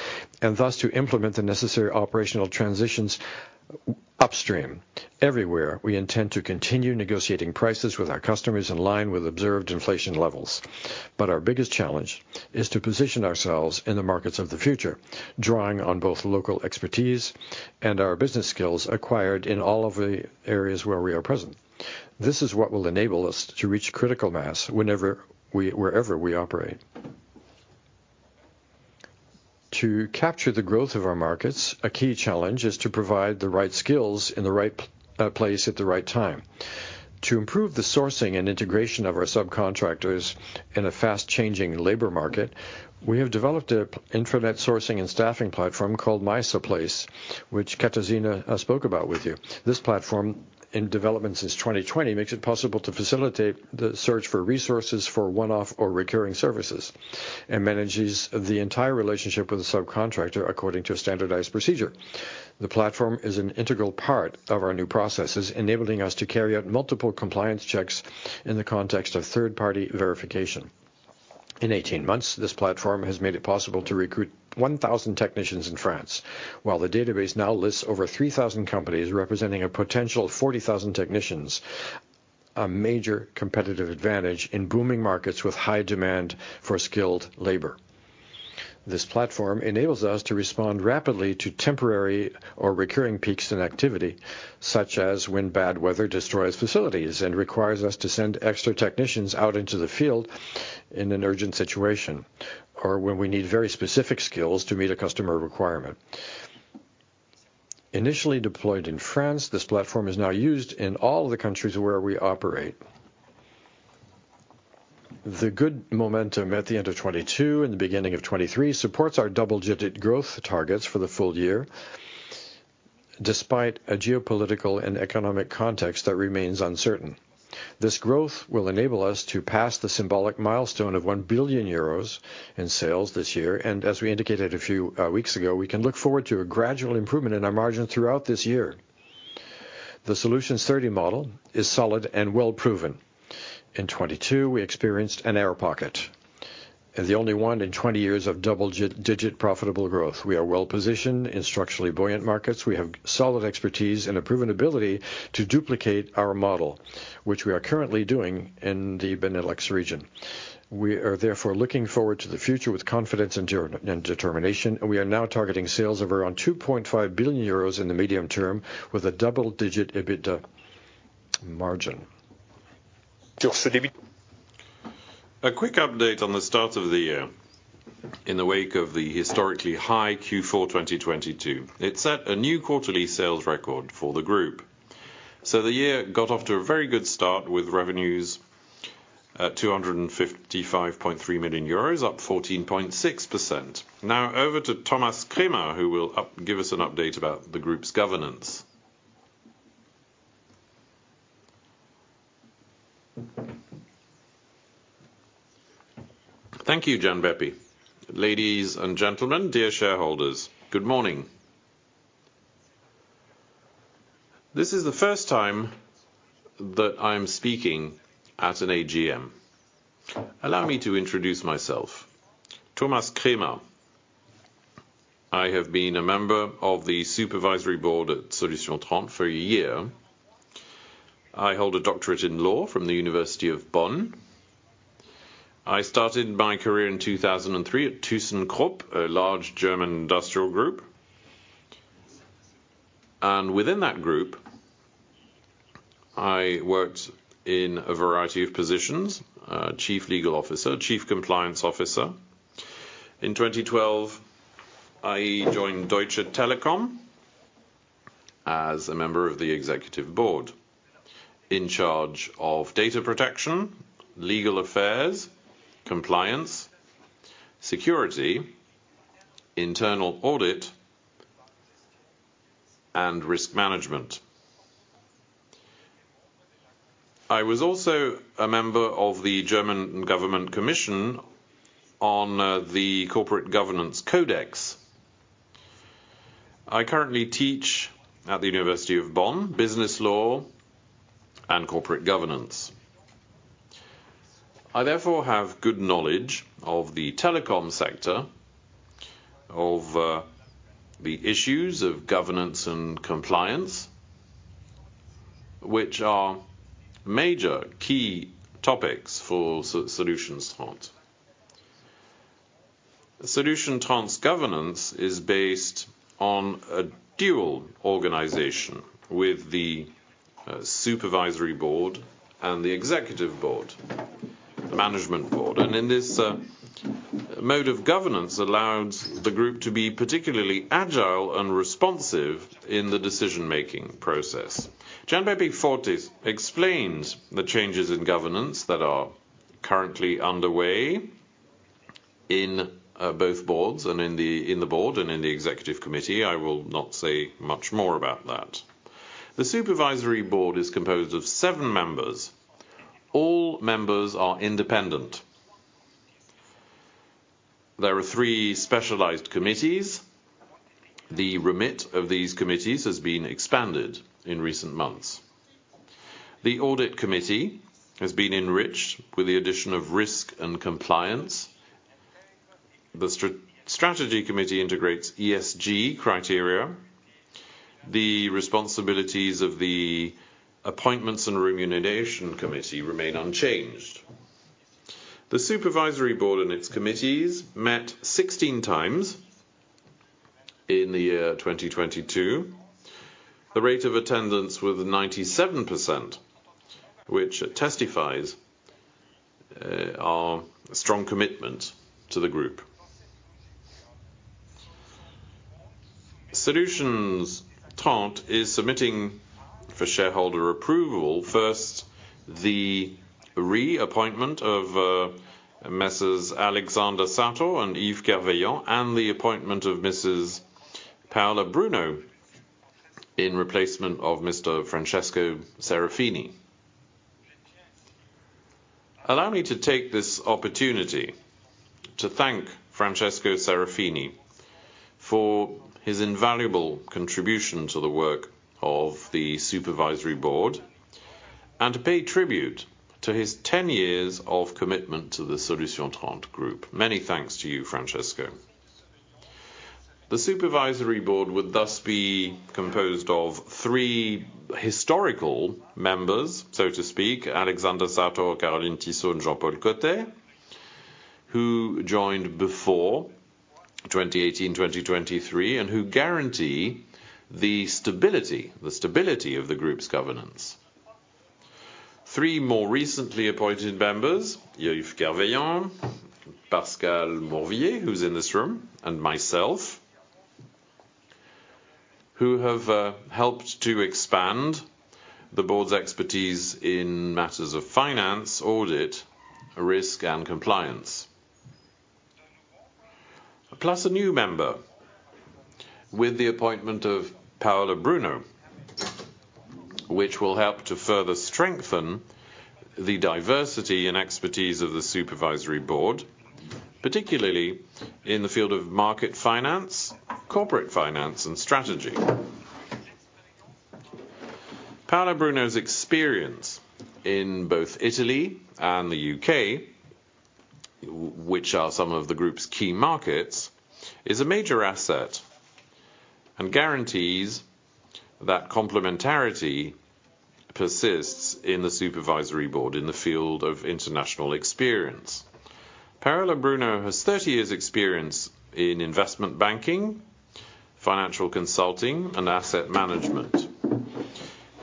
and thus to implement the necessary operational transitions upstream. Everywhere, we intend to continue negotiating prices with our customers in line with observed inflation levels. Our biggest challenge is to position ourselves in the markets of the future, drawing on both local expertise and our business skills acquired in all of the areas where we are present. This is what will enable us to reach critical mass wherever we operate. To capture the growth of our markets, a key challenge is to provide the right skills in the right place at the right time. To improve the sourcing and integration of our subcontractors in a fast-changing labor market, we have developed a intranet sourcing and staffing platform called MySupplace, which Katarzyna spoke about with you. This platform, in development since 2020, makes it possible to facilitate the search for resources for one-off or recurring services, and manages the entire relationship with the subcontractor according to a standardized procedure. The platform is an integral part of our new processes, enabling us to carry out multiple compliance checks in the context of third-party verification. In 18 months, this platform has made it possible to recruit 1,000 technicians in France, while the database now lists over 3,000 companies, representing a potential 40,000 technicians, a major competitive advantage in booming markets with high demand for skilled labor. This platform enables us to respond rapidly to temporary or recurring peaks in activity, such as when bad weather destroys facilities and requires us to send extra technicians out into the field in an urgent situation, or when we need very specific skills to meet a customer requirement. Initially deployed in France, this platform is now used in all of the countries where we operate. The good momentum at the end of 2022 and the beginning of 2023 supports our double-digit growth targets for the full year, despite a geopolitical and economic context that remains uncertain. This growth will enable us to pass the symbolic milestone of 1 billion euros in sales this year, and as we indicated a few weeks ago, we can look forward to a gradual improvement in our margin throughout this year. The Solutions30 model is solid and well proven. In 2022, we experienced an air pocket, the only one in 20 years of double-digit profitable growth. We are well positioned in structurally buoyant markets. We have solid expertise and a proven ability to duplicate our model, which we are currently doing in the Benelux region. We are therefore looking forward to the future with confidence and determination. We are now targeting sales of around 2.5 billion euros in the medium term, with a double-digit EBITDA margin. A quick update on the start of the year. In the wake of the historically high Q4, 2022, it set a new quarterly sales record for the group. The year got off to a very good start, with revenues at 255.3 million euros, up 14.6%. Over to Thomas Kremer, who will give us an update about the group's governance. Thank you, Gianbeppi. Ladies and gentlemen, dear shareholders, good morning. This is the first time that I'm speaking at an AGM. Allow me to introduce myself, Thomas Kremer. I have been a member of the Supervisory Board at Solutions30 for a year. I hold a doctorate in law from the University of Bonn. I started my career in 2003 at thyssenkrupp, a large German industrial group. Within that group, I worked in a variety of positions, chief legal officer, chief compliance officer. In 2012, I joined Deutsche Telekom as a member of the Executive Board in charge of data protection, legal affairs, compliance, security, internal audit, and risk management. I was also a member of the Government Commission on the German Corporate Governance Code. I currently teach at the University of Bonn, business law and corporate governance. I therefore have good knowledge of the telecom sector, of the issues of governance and compliance, which are major key topics for Solutions30. Solutions30 governance is based on a dual organization with the Supervisory Board and the Executive Board, the Management Board. In this mode of governance allows the group to be particularly agile and responsive in the decision-making process. Gianbeppi Fortis explains the changes in governance that are currently underway in both boards and in the board and in the executive committee. I will not say much more about that. The supervisory board is composed of seven members. All members are independent. There are three specialized committees. The remit of these committees has been expanded in recent months. The audit committee has been enriched with the addition of risk and compliance. The strategy committee integrates ESG criteria. The responsibilities of the appointments and remuneration committee remain unchanged. The supervisory board and its committees met 16 times in the year 2022. The rate of attendance was 97%, which testifies our strong commitment to the group. Solutions30 is submitting for shareholder approval, first, the reappointment of Mr. Alexander Sator and Yves Kerveillant And the appointment of Mrs. Paola Bruno, in replacement of Mr. Francesco Serafini. Allow me to take this opportunity to thank Francesco Serafini for his invaluable contribution to the work of the supervisory board, and to pay tribute to his ten years of commitment to the Solutions30 group. Many thanks to you, Francesco. The supervisory board would thus be composed of three historical members, so to speak: Alexander Sator, Caroline Tissot, Jean-Paul Cottet, who joined before 2018, 2023, and who guarantee the stability of the group's governance. Three more recently appointed members, Yves Kerveillant, Pascale Mourvillier, who's in this room, and myself who have helped to expand the board's expertise in matters of finance, audit, risk, and compliance. A new member with the appointment of Paola Bruno, which will help to further strengthen the diversity and expertise of the supervisory board, particularly in the field of market finance, corporate finance, and strategy. Paola Bruno's experience in both Italy and the U.K., which are some of the group's key markets, is a major asset, and guarantees that complementarity persists in the supervisory board in the field of international experience. Paola Bruno has 30 years' experience in investment banking, financial consulting, and asset management.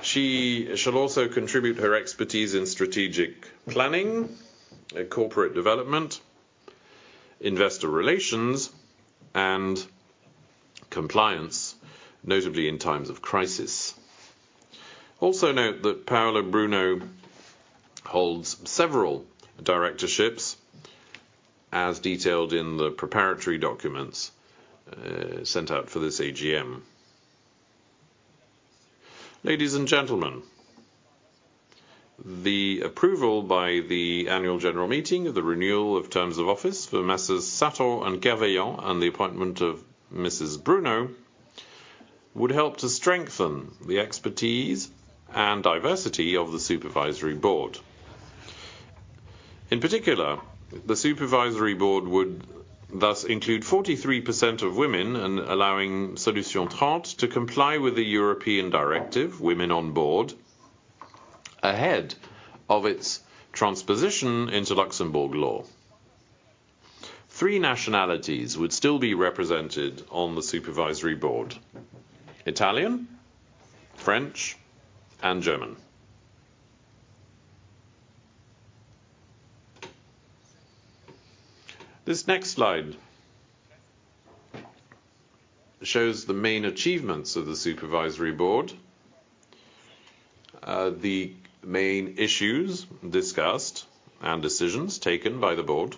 She shall also contribute her expertise in strategic planning and corporate development, investor relations, and compliance, notably in times of crisis. Also note that Paola Bruno holds several directorships, as detailed in the preparatory documents, sent out for this AGM. Ladies and gentlemen, the approval by the annual general meeting, the renewal of terms of office for Mr. Sator and Mr. Kerveillant, and the appointment of Mrs. Bruno, would help to strengthen the expertise and diversity of the Supervisory Board. In particular, the Supervisory Board would thus include 43% of women in allowing Solutions30 to comply with the European Directive, Women on Boards, ahead of its transposition into Luxembourg law. Three nationalities would still be represented on the Supervisory Board: Italian, French, and German. This next slide shows the main achievements of the Supervisory Board, the main issues discussed and decisions taken by the board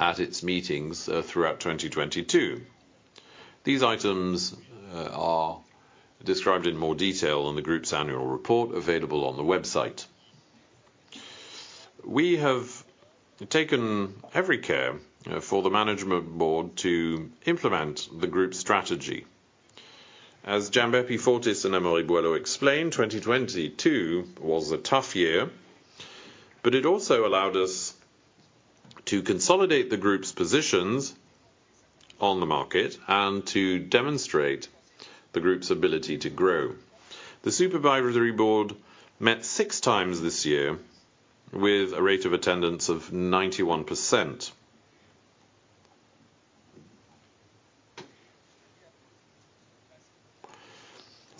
at its meetings, throughout 2022. These items are described in more detail in the group's annual report, available on the website. We have taken every care for the Management Board to implement the group's strategy. As Gianbeppi Fortis and Amaury Boilot explained, 2022 was a tough year. It also allowed us to consolidate the group's positions on the market and to demonstrate the group's ability to grow. The supervisory board met six times this year with a rate of attendance of 91%.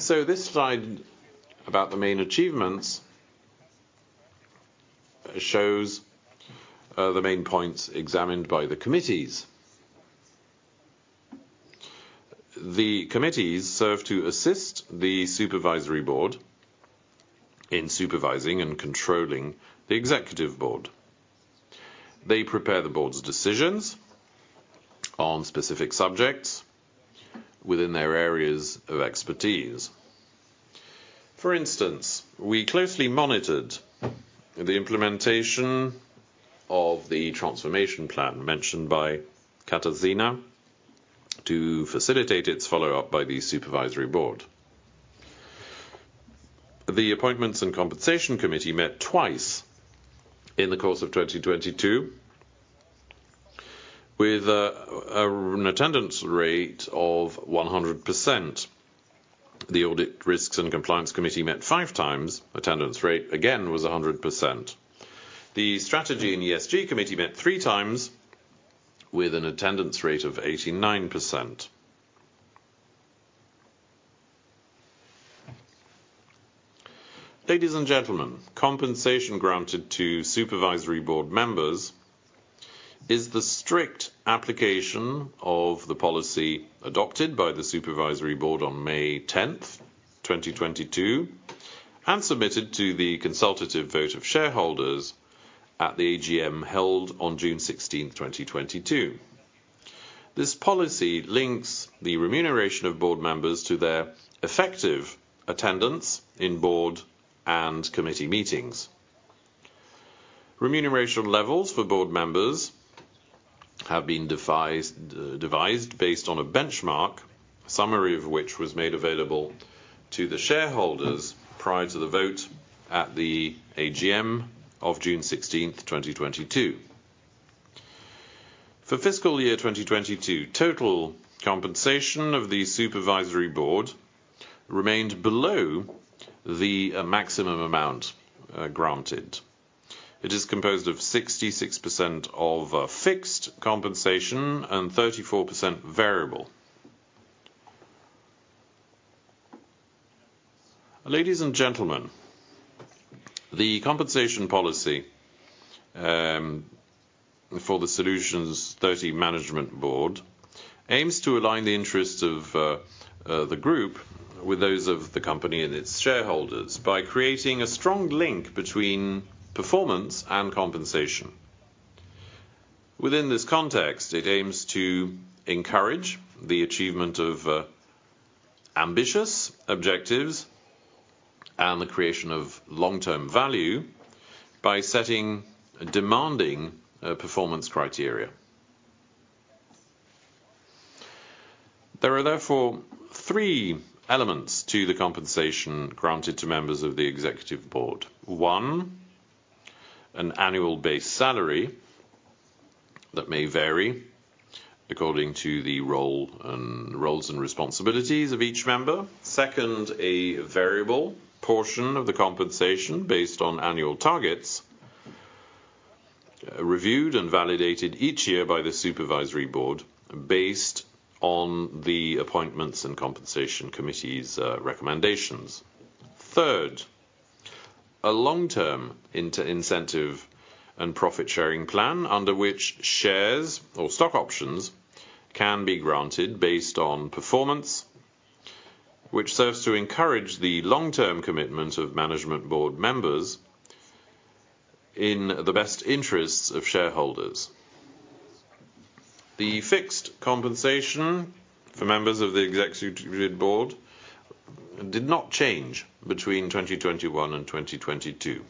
This slide about the main achievements shows the main points examined by the committees. The committees serve to assist the supervisory board in supervising and controlling the executive board. They prepare the board's decisions on specific subjects within their areas of expertise. For instance, we closely monitored the implementation of the transformation plan mentioned by Katarzyna to facilitate its follow-up by the supervisory board. The appointments and compensation committee met twice in the course of 2022 with an attendance rate of 100%. The audit, risks, and compliance committee met five times. Attendance rate, again, was 100%. The Strategy in ESG Committee met 3 times with an attendance rate of 89%. Ladies and gentlemen, compensation granted to Supervisory Board members is the strict application of the policy adopted by the Supervisory Board on May 10th, 2022, and submitted to the consultative vote of shareholders at the AGM held on June 16th, 2022. This policy links the remuneration of Board members to their effective attendance in Board and committee meetings. Remuneration levels for Board members have been devised based on a benchmark, summary of which was made available to the shareholders prior to the vote at the AGM of June 16th, 2022. For fiscal year 2022, total compensation of the Supervisory Board remained below the maximum amount granted. It is composed of 66% of fixed compensation and 34% variable. Ladies and gentlemen, the compensation policy for the Solutions30 Management Board aims to align the interests of the group with those of the company and its shareholders by creating a strong link between performance and compensation. Within this context, it aims to encourage the achievement of ambitious objectives and the creation of long-term value by setting demanding performance criteria. There are therefore three elements to the compensation granted to members of the Management Board. One, an annual base salary that may vary according to the roles and responsibilities of each member. Second, a variable portion of the compensation based on annual targets, reviewed and validated each year by the Supervisory Board, based on the Appointments and Compensation Committee's recommendations. Third, a long-term incentive and profit-sharing plan under which shares or stock options can be granted based on performance, which serves to encourage the long-term commitment of management board members in the best interests of shareholders. The fixed compensation for members of the executive board did not change between 2021 and 2022.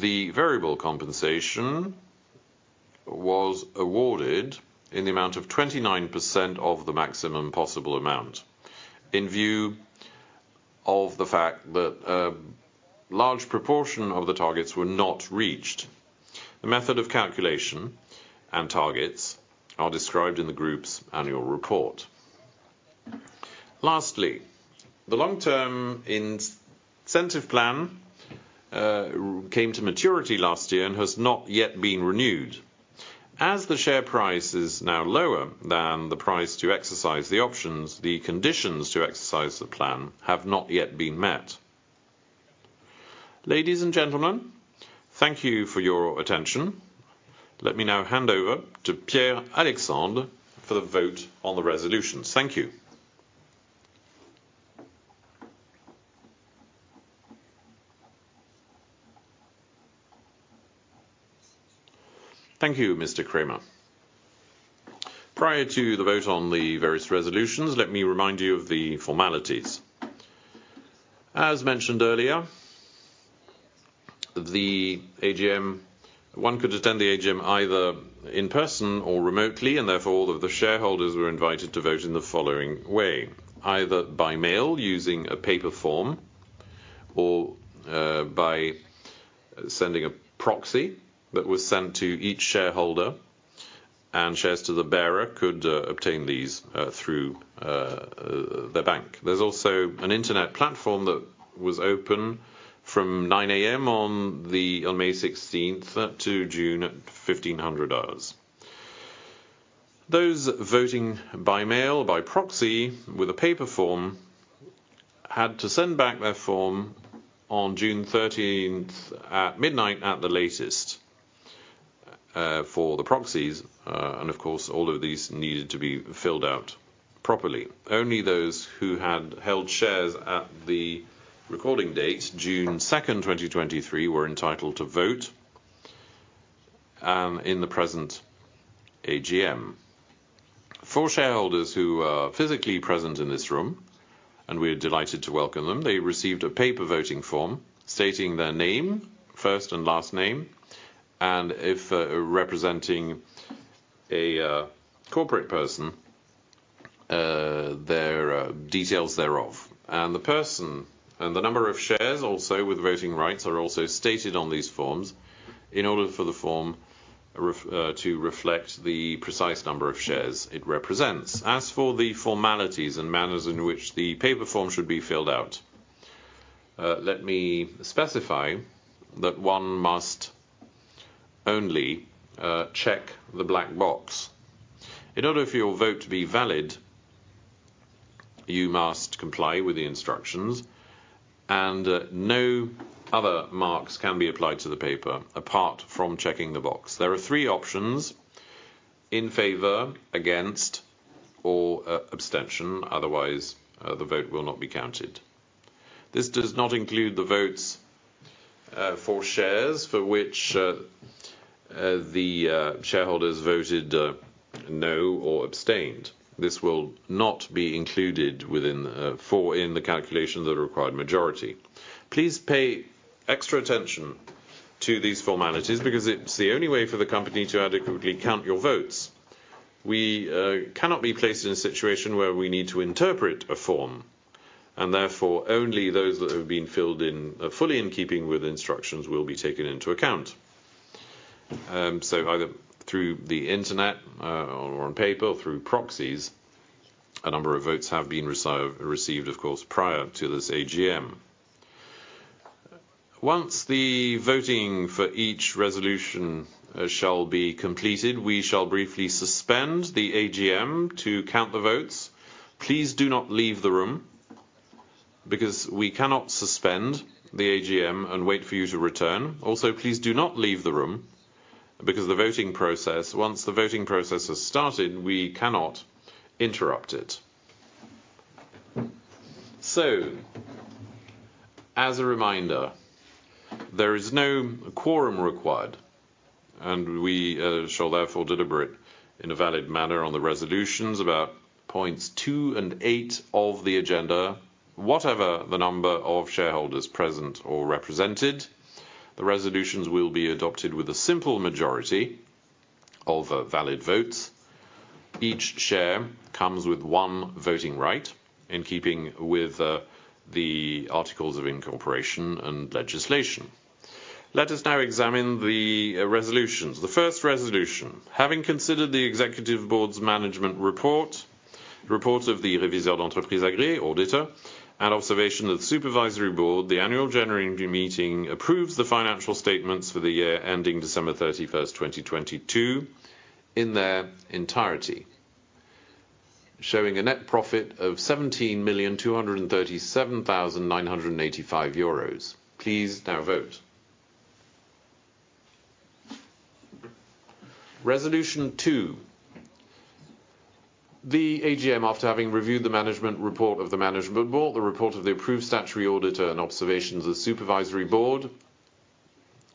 The variable compensation was awarded in the amount of 29% of the maximum possible amount, in view of the fact that, a large proportion of the targets were not reached. The method of calculation and targets are described in the group's annual report. Lastly, the long-term incentive plan came to maturity last year and has not yet been renewed. As the share price is now lower than the price to exercise the options, the conditions to exercise the plan have not yet been met. Ladies and gentlemen, thank you for your attention. Let me now hand over to Pierre-Alexandre for the vote on the resolutions. Thank you. Thank you, Mr. Kremer. Prior to the vote on the various resolutions, let me remind you of the formalities. As mentioned earlier, the AGM, one could attend the AGM either in person or remotely, and therefore, all of the shareholders were invited to vote in the following way: either by mail using a paper form, or by sending a proxy that was sent to each shareholder, and shares to the bearer could obtain these through their bank. There's also an internet platform that was open from 9:00 A.M. on May 16th to June at 3:00 P.M. Those voting by mail, by proxy, with a paper form, had to send back their form on June 13th at midnight at the latest for the proxies, and of course, all of these needed to be filled out properly. Only those who had held shares at the recording date, June 2nd, 2023, were entitled to vote in the present AGM. For shareholders who are physically present in this room, and we are delighted to welcome them, they received a paper voting form stating their name, first and last name, and if representing a corporate person, their details thereof. The person, and the number of shares also with voting rights, are also stated on these forms in order for the form to reflect the precise number of shares it represents. As for the formalities and manners in which the paper form should be filled out, let me specify that one must only check the black box. In order for your vote to be valid, you must comply with the instructions, and no other marks can be applied to the paper apart from checking the box. There are three options: in favor, against, or abstention, otherwise, the vote will not be counted. This does not include the votes for shares for which the shareholders voted no or abstained. This will not be included within for in the calculation of the required majority. Please pay extra attention to these formalities, because it's the only way for the company to adequately count your votes. We cannot be placed in a situation where we need to interpret a form. Therefore, only those that have been filled in fully in keeping with the instructions will be taken into account. Either through the internet or on paper, or through proxies, a number of votes have been received, of course, prior to this AGM. Once the voting for each resolution shall be completed, we shall briefly suspend the AGM to count the votes. Please do not leave the room because we cannot suspend the AGM and wait for you to return. Please do not leave the room because the voting process, once the voting process has started, we cannot interrupt it. As a reminder, there is no quorum required, and we shall therefore deliberate in a valid manner on the resolutions about points two and eight of the agenda. Whatever the number of shareholders present or represented, the resolutions will be adopted with a simple majority of valid votes. Each share comes with one voting right, in keeping with the articles of incorporation and legislation. Let us now examine the resolutions. The first resolution, having considered the executive board's management report of the réviseur d'entreprises agréé auditor, and observation of the supervisory board, the annual general meeting approves the financial statements for the year ending December 31st, 2022, in their entirety, showing a net profit of 17,237,985 euros. Please now vote. Resolution two. The AGM, after having reviewed the management report of the management board, the report of the approved statutory auditor and observations of the supervisory board,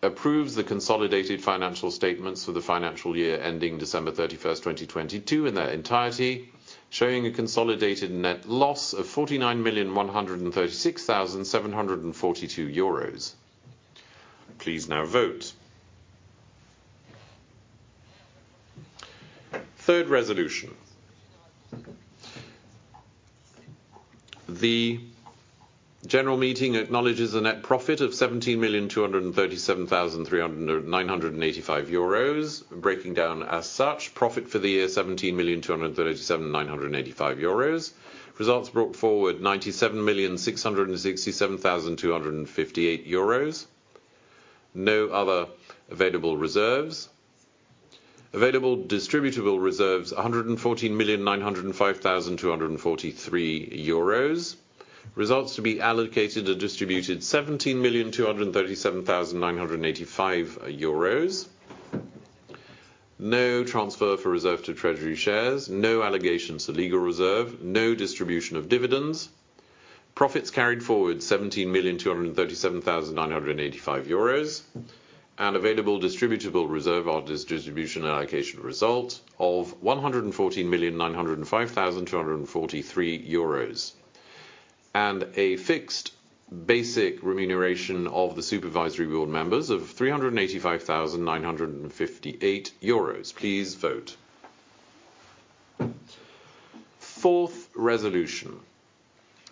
approves the consolidated financial statements for the financial year ending December 31st, 2022, in their entirety, showing a consolidated net loss of 49,136,742 euros. Please now vote. Third resolution. The general meeting acknowledges a net profit of 17,237,985 euros, breaking down as such: profit for the year, 17,237,985 euros. Results brought forward, 97,667,258 euros. No other available reserves. Available distributable reserves, 114,905,243 euros. Results to be allocated and distributed, 17,237,985 euros. No transfer for reserve to treasury shares. No allegations to legal reserve. No distribution of dividends. Profits carried forward, 17,237,985 euros. Available distributable reserve or distribution and allocation result of 114,905,243 euros, and a fixed basic remuneration of the Supervisory Board members of 385,958 euros. Please vote. Fourth resolution: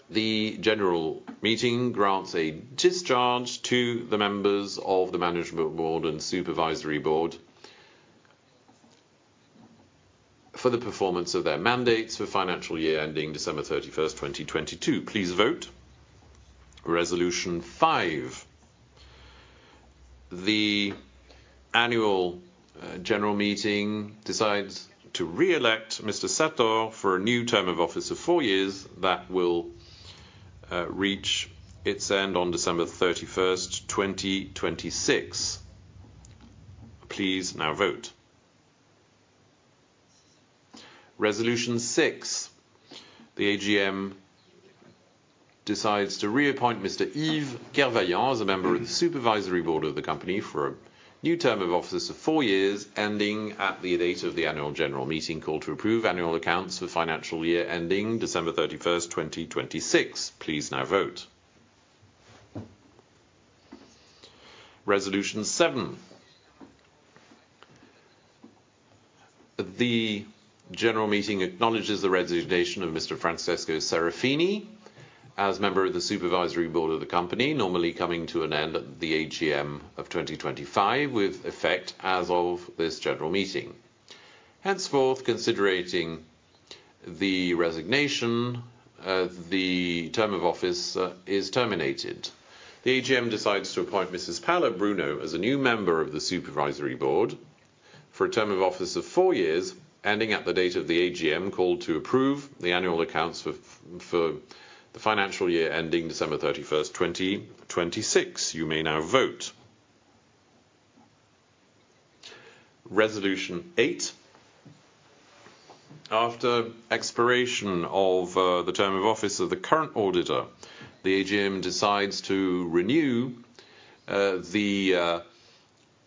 The general meeting grants a discharge to the members of the Management Board and Supervisory Board for the performance of their mandates for financial year ending December 31, 2022. Please vote. Resolution five: The annual general meeting decides to re-elect Mr. Sator for a new term of office of four years that will reach its end on December 31, 2026. Please now vote. Resolution six: The AGM decides to reappoint Mr. Yves Kerveillant as a member of the supervisory board of the company for a new term of office of four years, ending at the date of the annual general meeting, called to approve annual accounts for the financial year ending December 31, 2026. Please now vote. Resolution seven: The general meeting acknowledges the resignation of Mr. Francesco Serafini as member of the supervisory board of the company, normally coming to an end at the AGM of 2025, with effect as of this general meeting. Henceforth, considering the resignation, the term of office is terminated. The AGM decides to appoint Mrs. Paola Bruno as a new member of the Supervisory Board for a term of office of four years, ending at the date of the AGM, called to approve the annual accounts for the financial year ending December 31, 2026. You may now vote. Resolution eight: After expiration of the term of office of the current auditor, the AGM decides to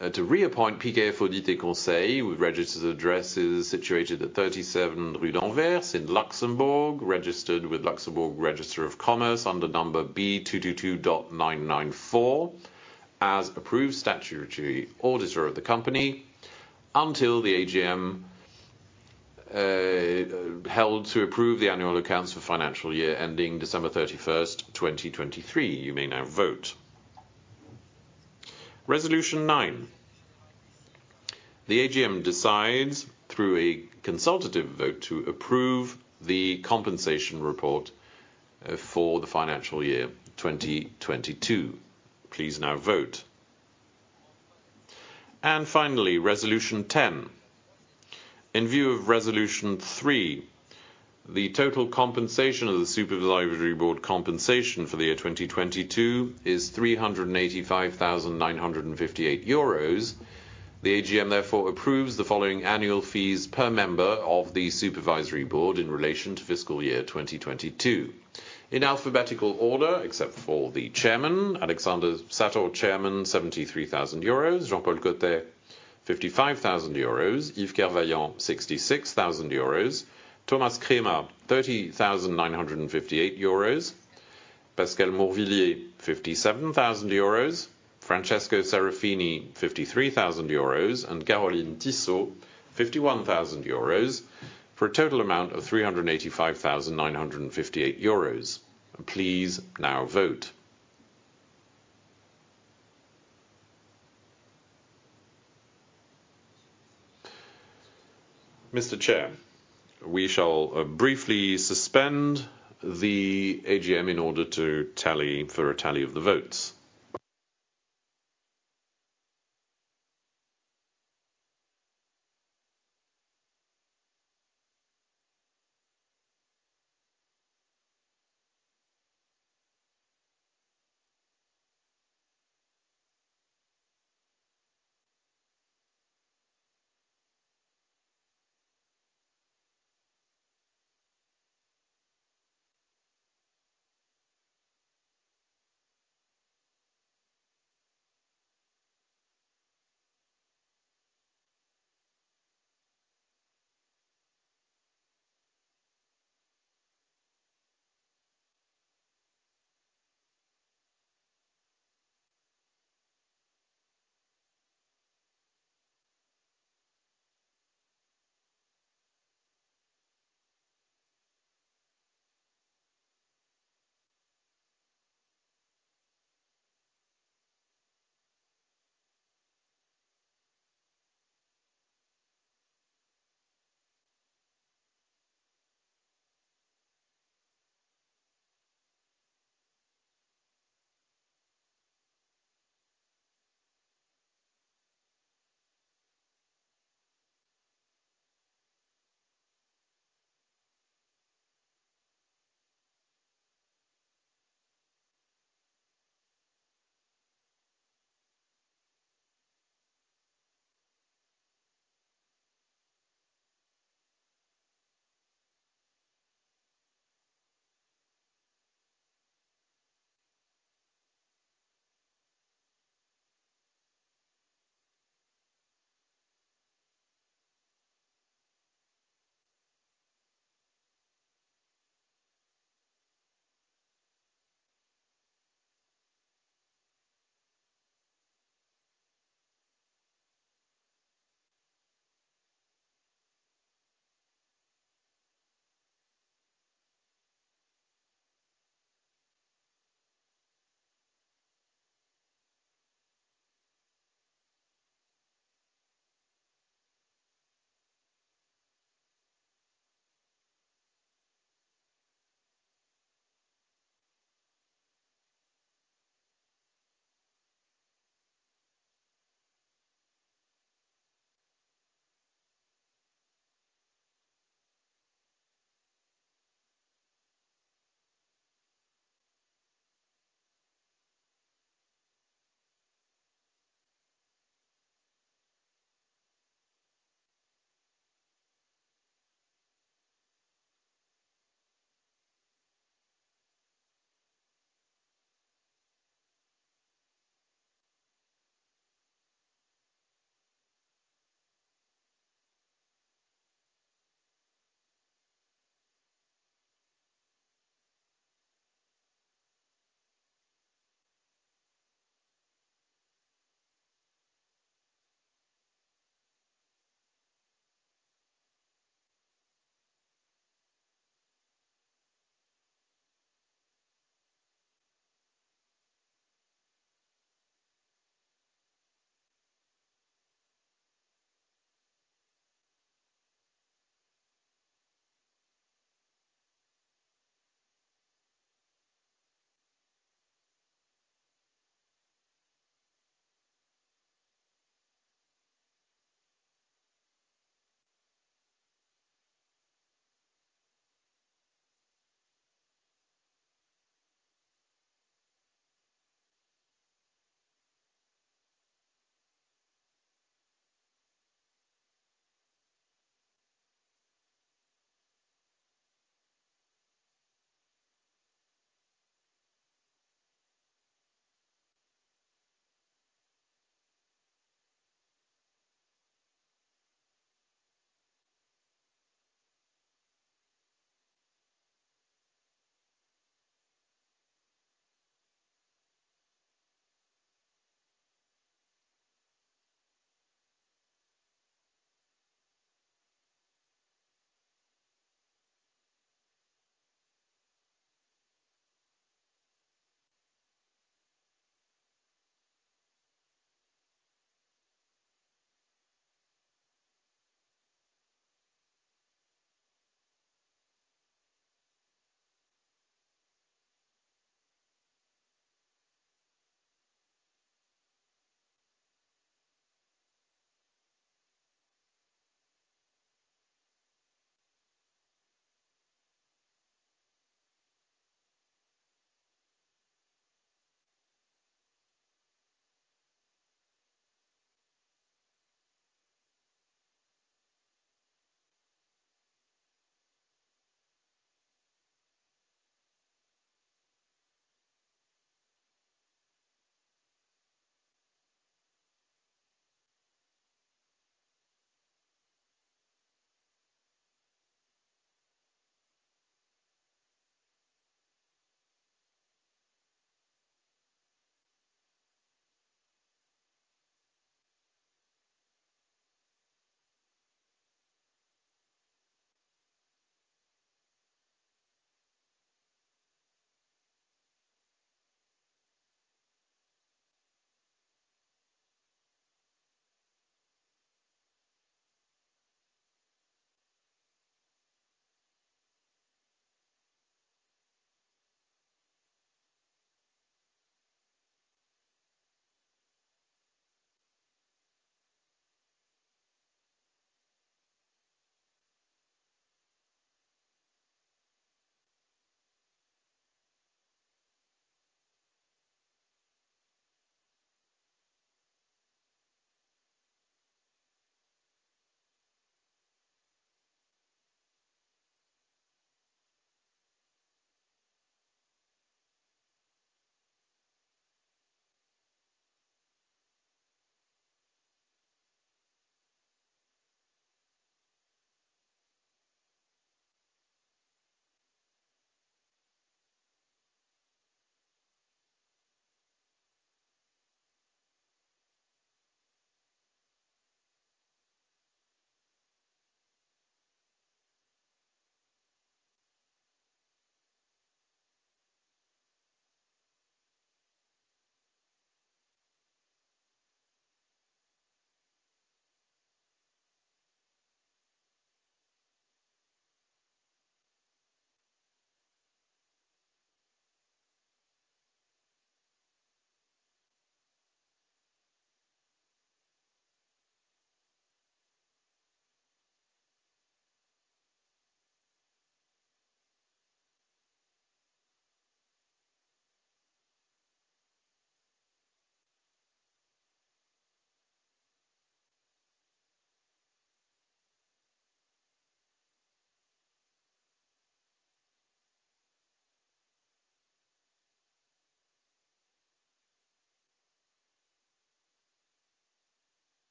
reappoint PKF Audit & Conseil, with registered addresses situated at 37 Rue d'Anvers in Luxembourg, registered with Luxembourg Register of Commerce under number B222.994, as approved statutory auditor of the company until the AGM held to approve the annual accounts for financial year ending December 31, 2023. You may now vote. Resolution nine: The AGM decides, through a consultative vote, to approve the compensation report for the financial year 2022. Please now vote. Finally, Resolution 10. In view of Resolution three, the total compensation of the Supervisory Board compensation for the year 2022 is 385,958 euros. The AGM approves the following annual fees per member of the Supervisory Board in relation to fiscal year 2022. In alphabetical order, except for the chairman, Alexander Sator, Chairman, 73,000 euros; Jean-Paul Cottet, 55,000 euros; Yves Kerveillant, 66,000 euros; Thomas Kremer, 30,958 euros; Pascale Mourvillier, 57,000 euros; Francesco Serafini, 53,000 euros; and Caroline Tissot, 51,000 euros, for a total amount of 385,958 euros. Please now vote. Mr. Chair, we shall briefly suspend the AGM in order to tally of the votes.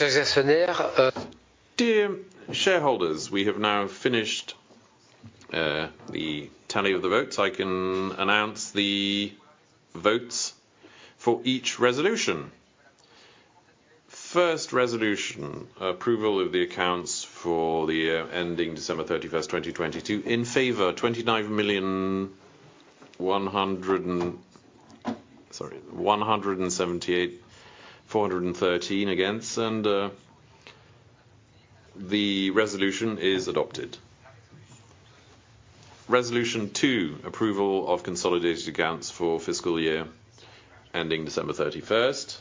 Chers actionnaires, dear shareholders, we have now finished the tally of the votes. I can announce the votes for each resolution. First resolution, approval of the accounts for the year ending December 31st, 2022. In favor, 29,100,000 and, sorry, 178,413 against. The resolution is adopted. Resolution two, approval of consolidated accounts for fiscal year ending December 31st.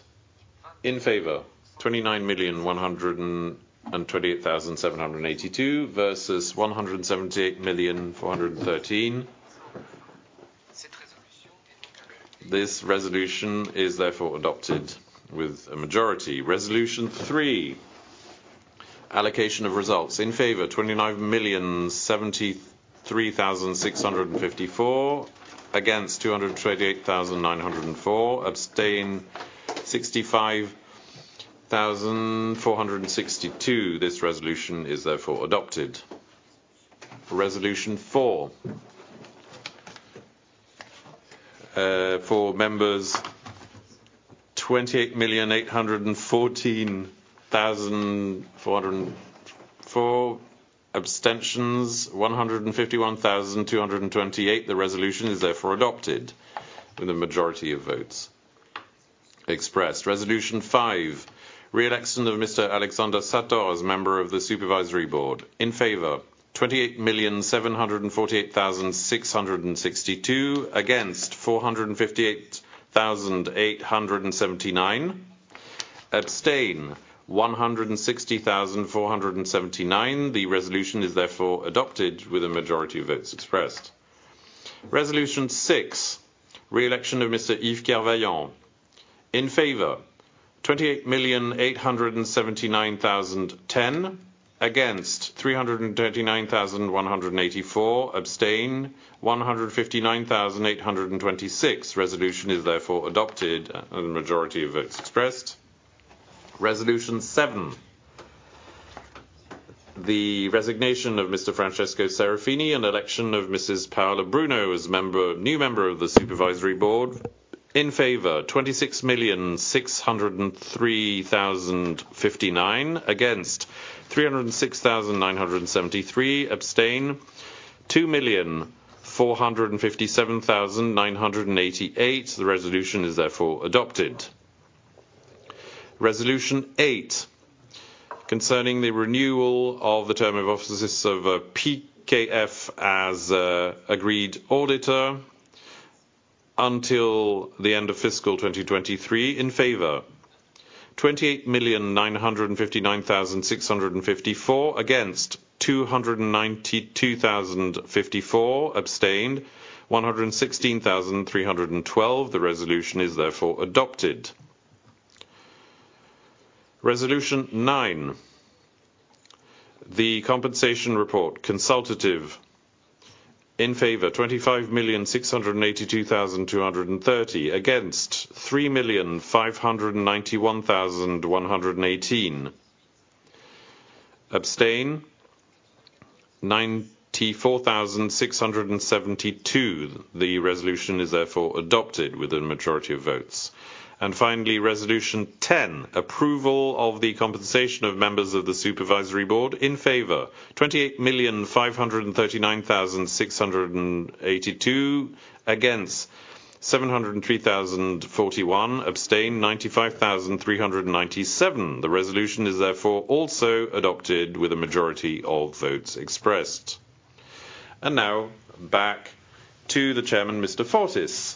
In favor, 29,128,782 versus 178,413. This resolution is therefore adopted with a majority. Resolution three, allocation of results. In favor, 29,073,654. Against, 228,904. Abstain, 65,462. This resolution is therefore adopted. Resolution four, for members 28,814,404, abstentions. 151,228, the resolution is therefore adopted with the majority of votes expressed. Resolution five, re-election of Mr. Alexander Sator as member of the Supervisory Board. In favor, 28,748,662. Against, 458,879. Abstain, 160,479. The resolution is therefore adopted with a majority of votes expressed. Resolution six, re-election of Mr. Yves Kerveillant. In favor, 28,879,010. Against, 339,184. Abstain, 159,826. Resolution is therefore adopted with the majority of votes expressed. Resolution seven, the resignation of Mr. Francesco Serafini and election of Mrs. Paola Bruno as new member of the Supervisory Board. In favor, 26,603,059. Against, 306,973. Abstain, 2,457,988. The resolution is therefore adopted. Resolution eight, concerning the renewal of the term of offices of PKF as agreed auditor until the end of fiscal 2023. In favor, 28,959,654. Against, 292,054. Abstained, 116,312. The resolution is therefore adopted. Resolution nine, the compensation report consultative. In favor, 25,682,230. Against, 3,591,118. Abstain, 94,672. The resolution is therefore adopted with a majority of votes. Finally, resolution 10, approval of the compensation of members of the Supervisory Board. In favor, 28,539,682. Against, 703,041. Abstain,95,397. The resolution is therefore also adopted with a majority of votes expressed. Now back to the Chairman, Mr. Fortis.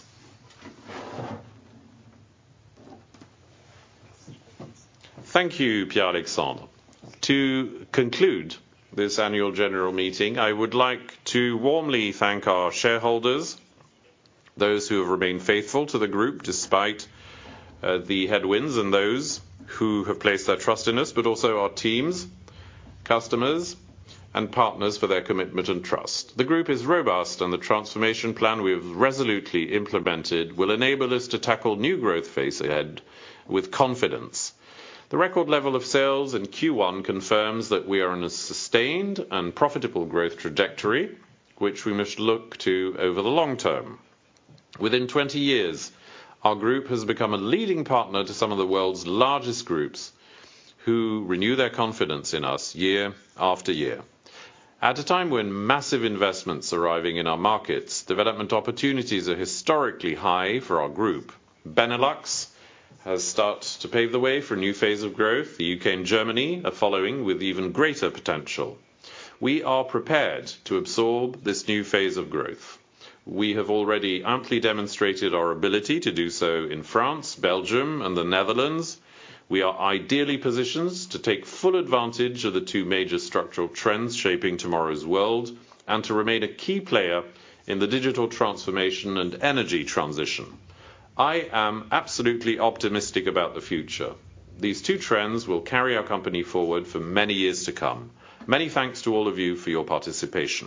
Thank you, Pierre-Alexandre. To conclude this annual general meeting, I would like to warmly thank our shareholders, those who have remained faithful to the group despite the headwinds, and those who have placed their trust in us, but also our teams, customers, and partners for their commitment and trust. The group is robust, the transformation plan we have resolutely implemented will enable us to tackle new growth face ahead with confidence. The record level of sales in Q1 confirms that we are in a sustained and profitable growth trajectory, which we must look to over the long term. Within 20 years, our group has become a leading partner to some of the world's largest groups, who renew their confidence in us year after year. At a time when massive investments arriving in our markets, development opportunities are historically high for our group. Benelux has started to pave the way for a new phase of growth. The U.K. and Germany are following with even greater potential. We are prepared to absorb this new phase of growth. We have already amply demonstrated our ability to do so in France, Belgium, and the Netherlands. We are ideally positioned to take full advantage of the two major structural trends shaping tomorrow's world and to remain a key player in the digital transformation and energy transition. I am absolutely optimistic about the future. These two trends will carry our company forward for many years to come. Many thanks to all of you for your participation.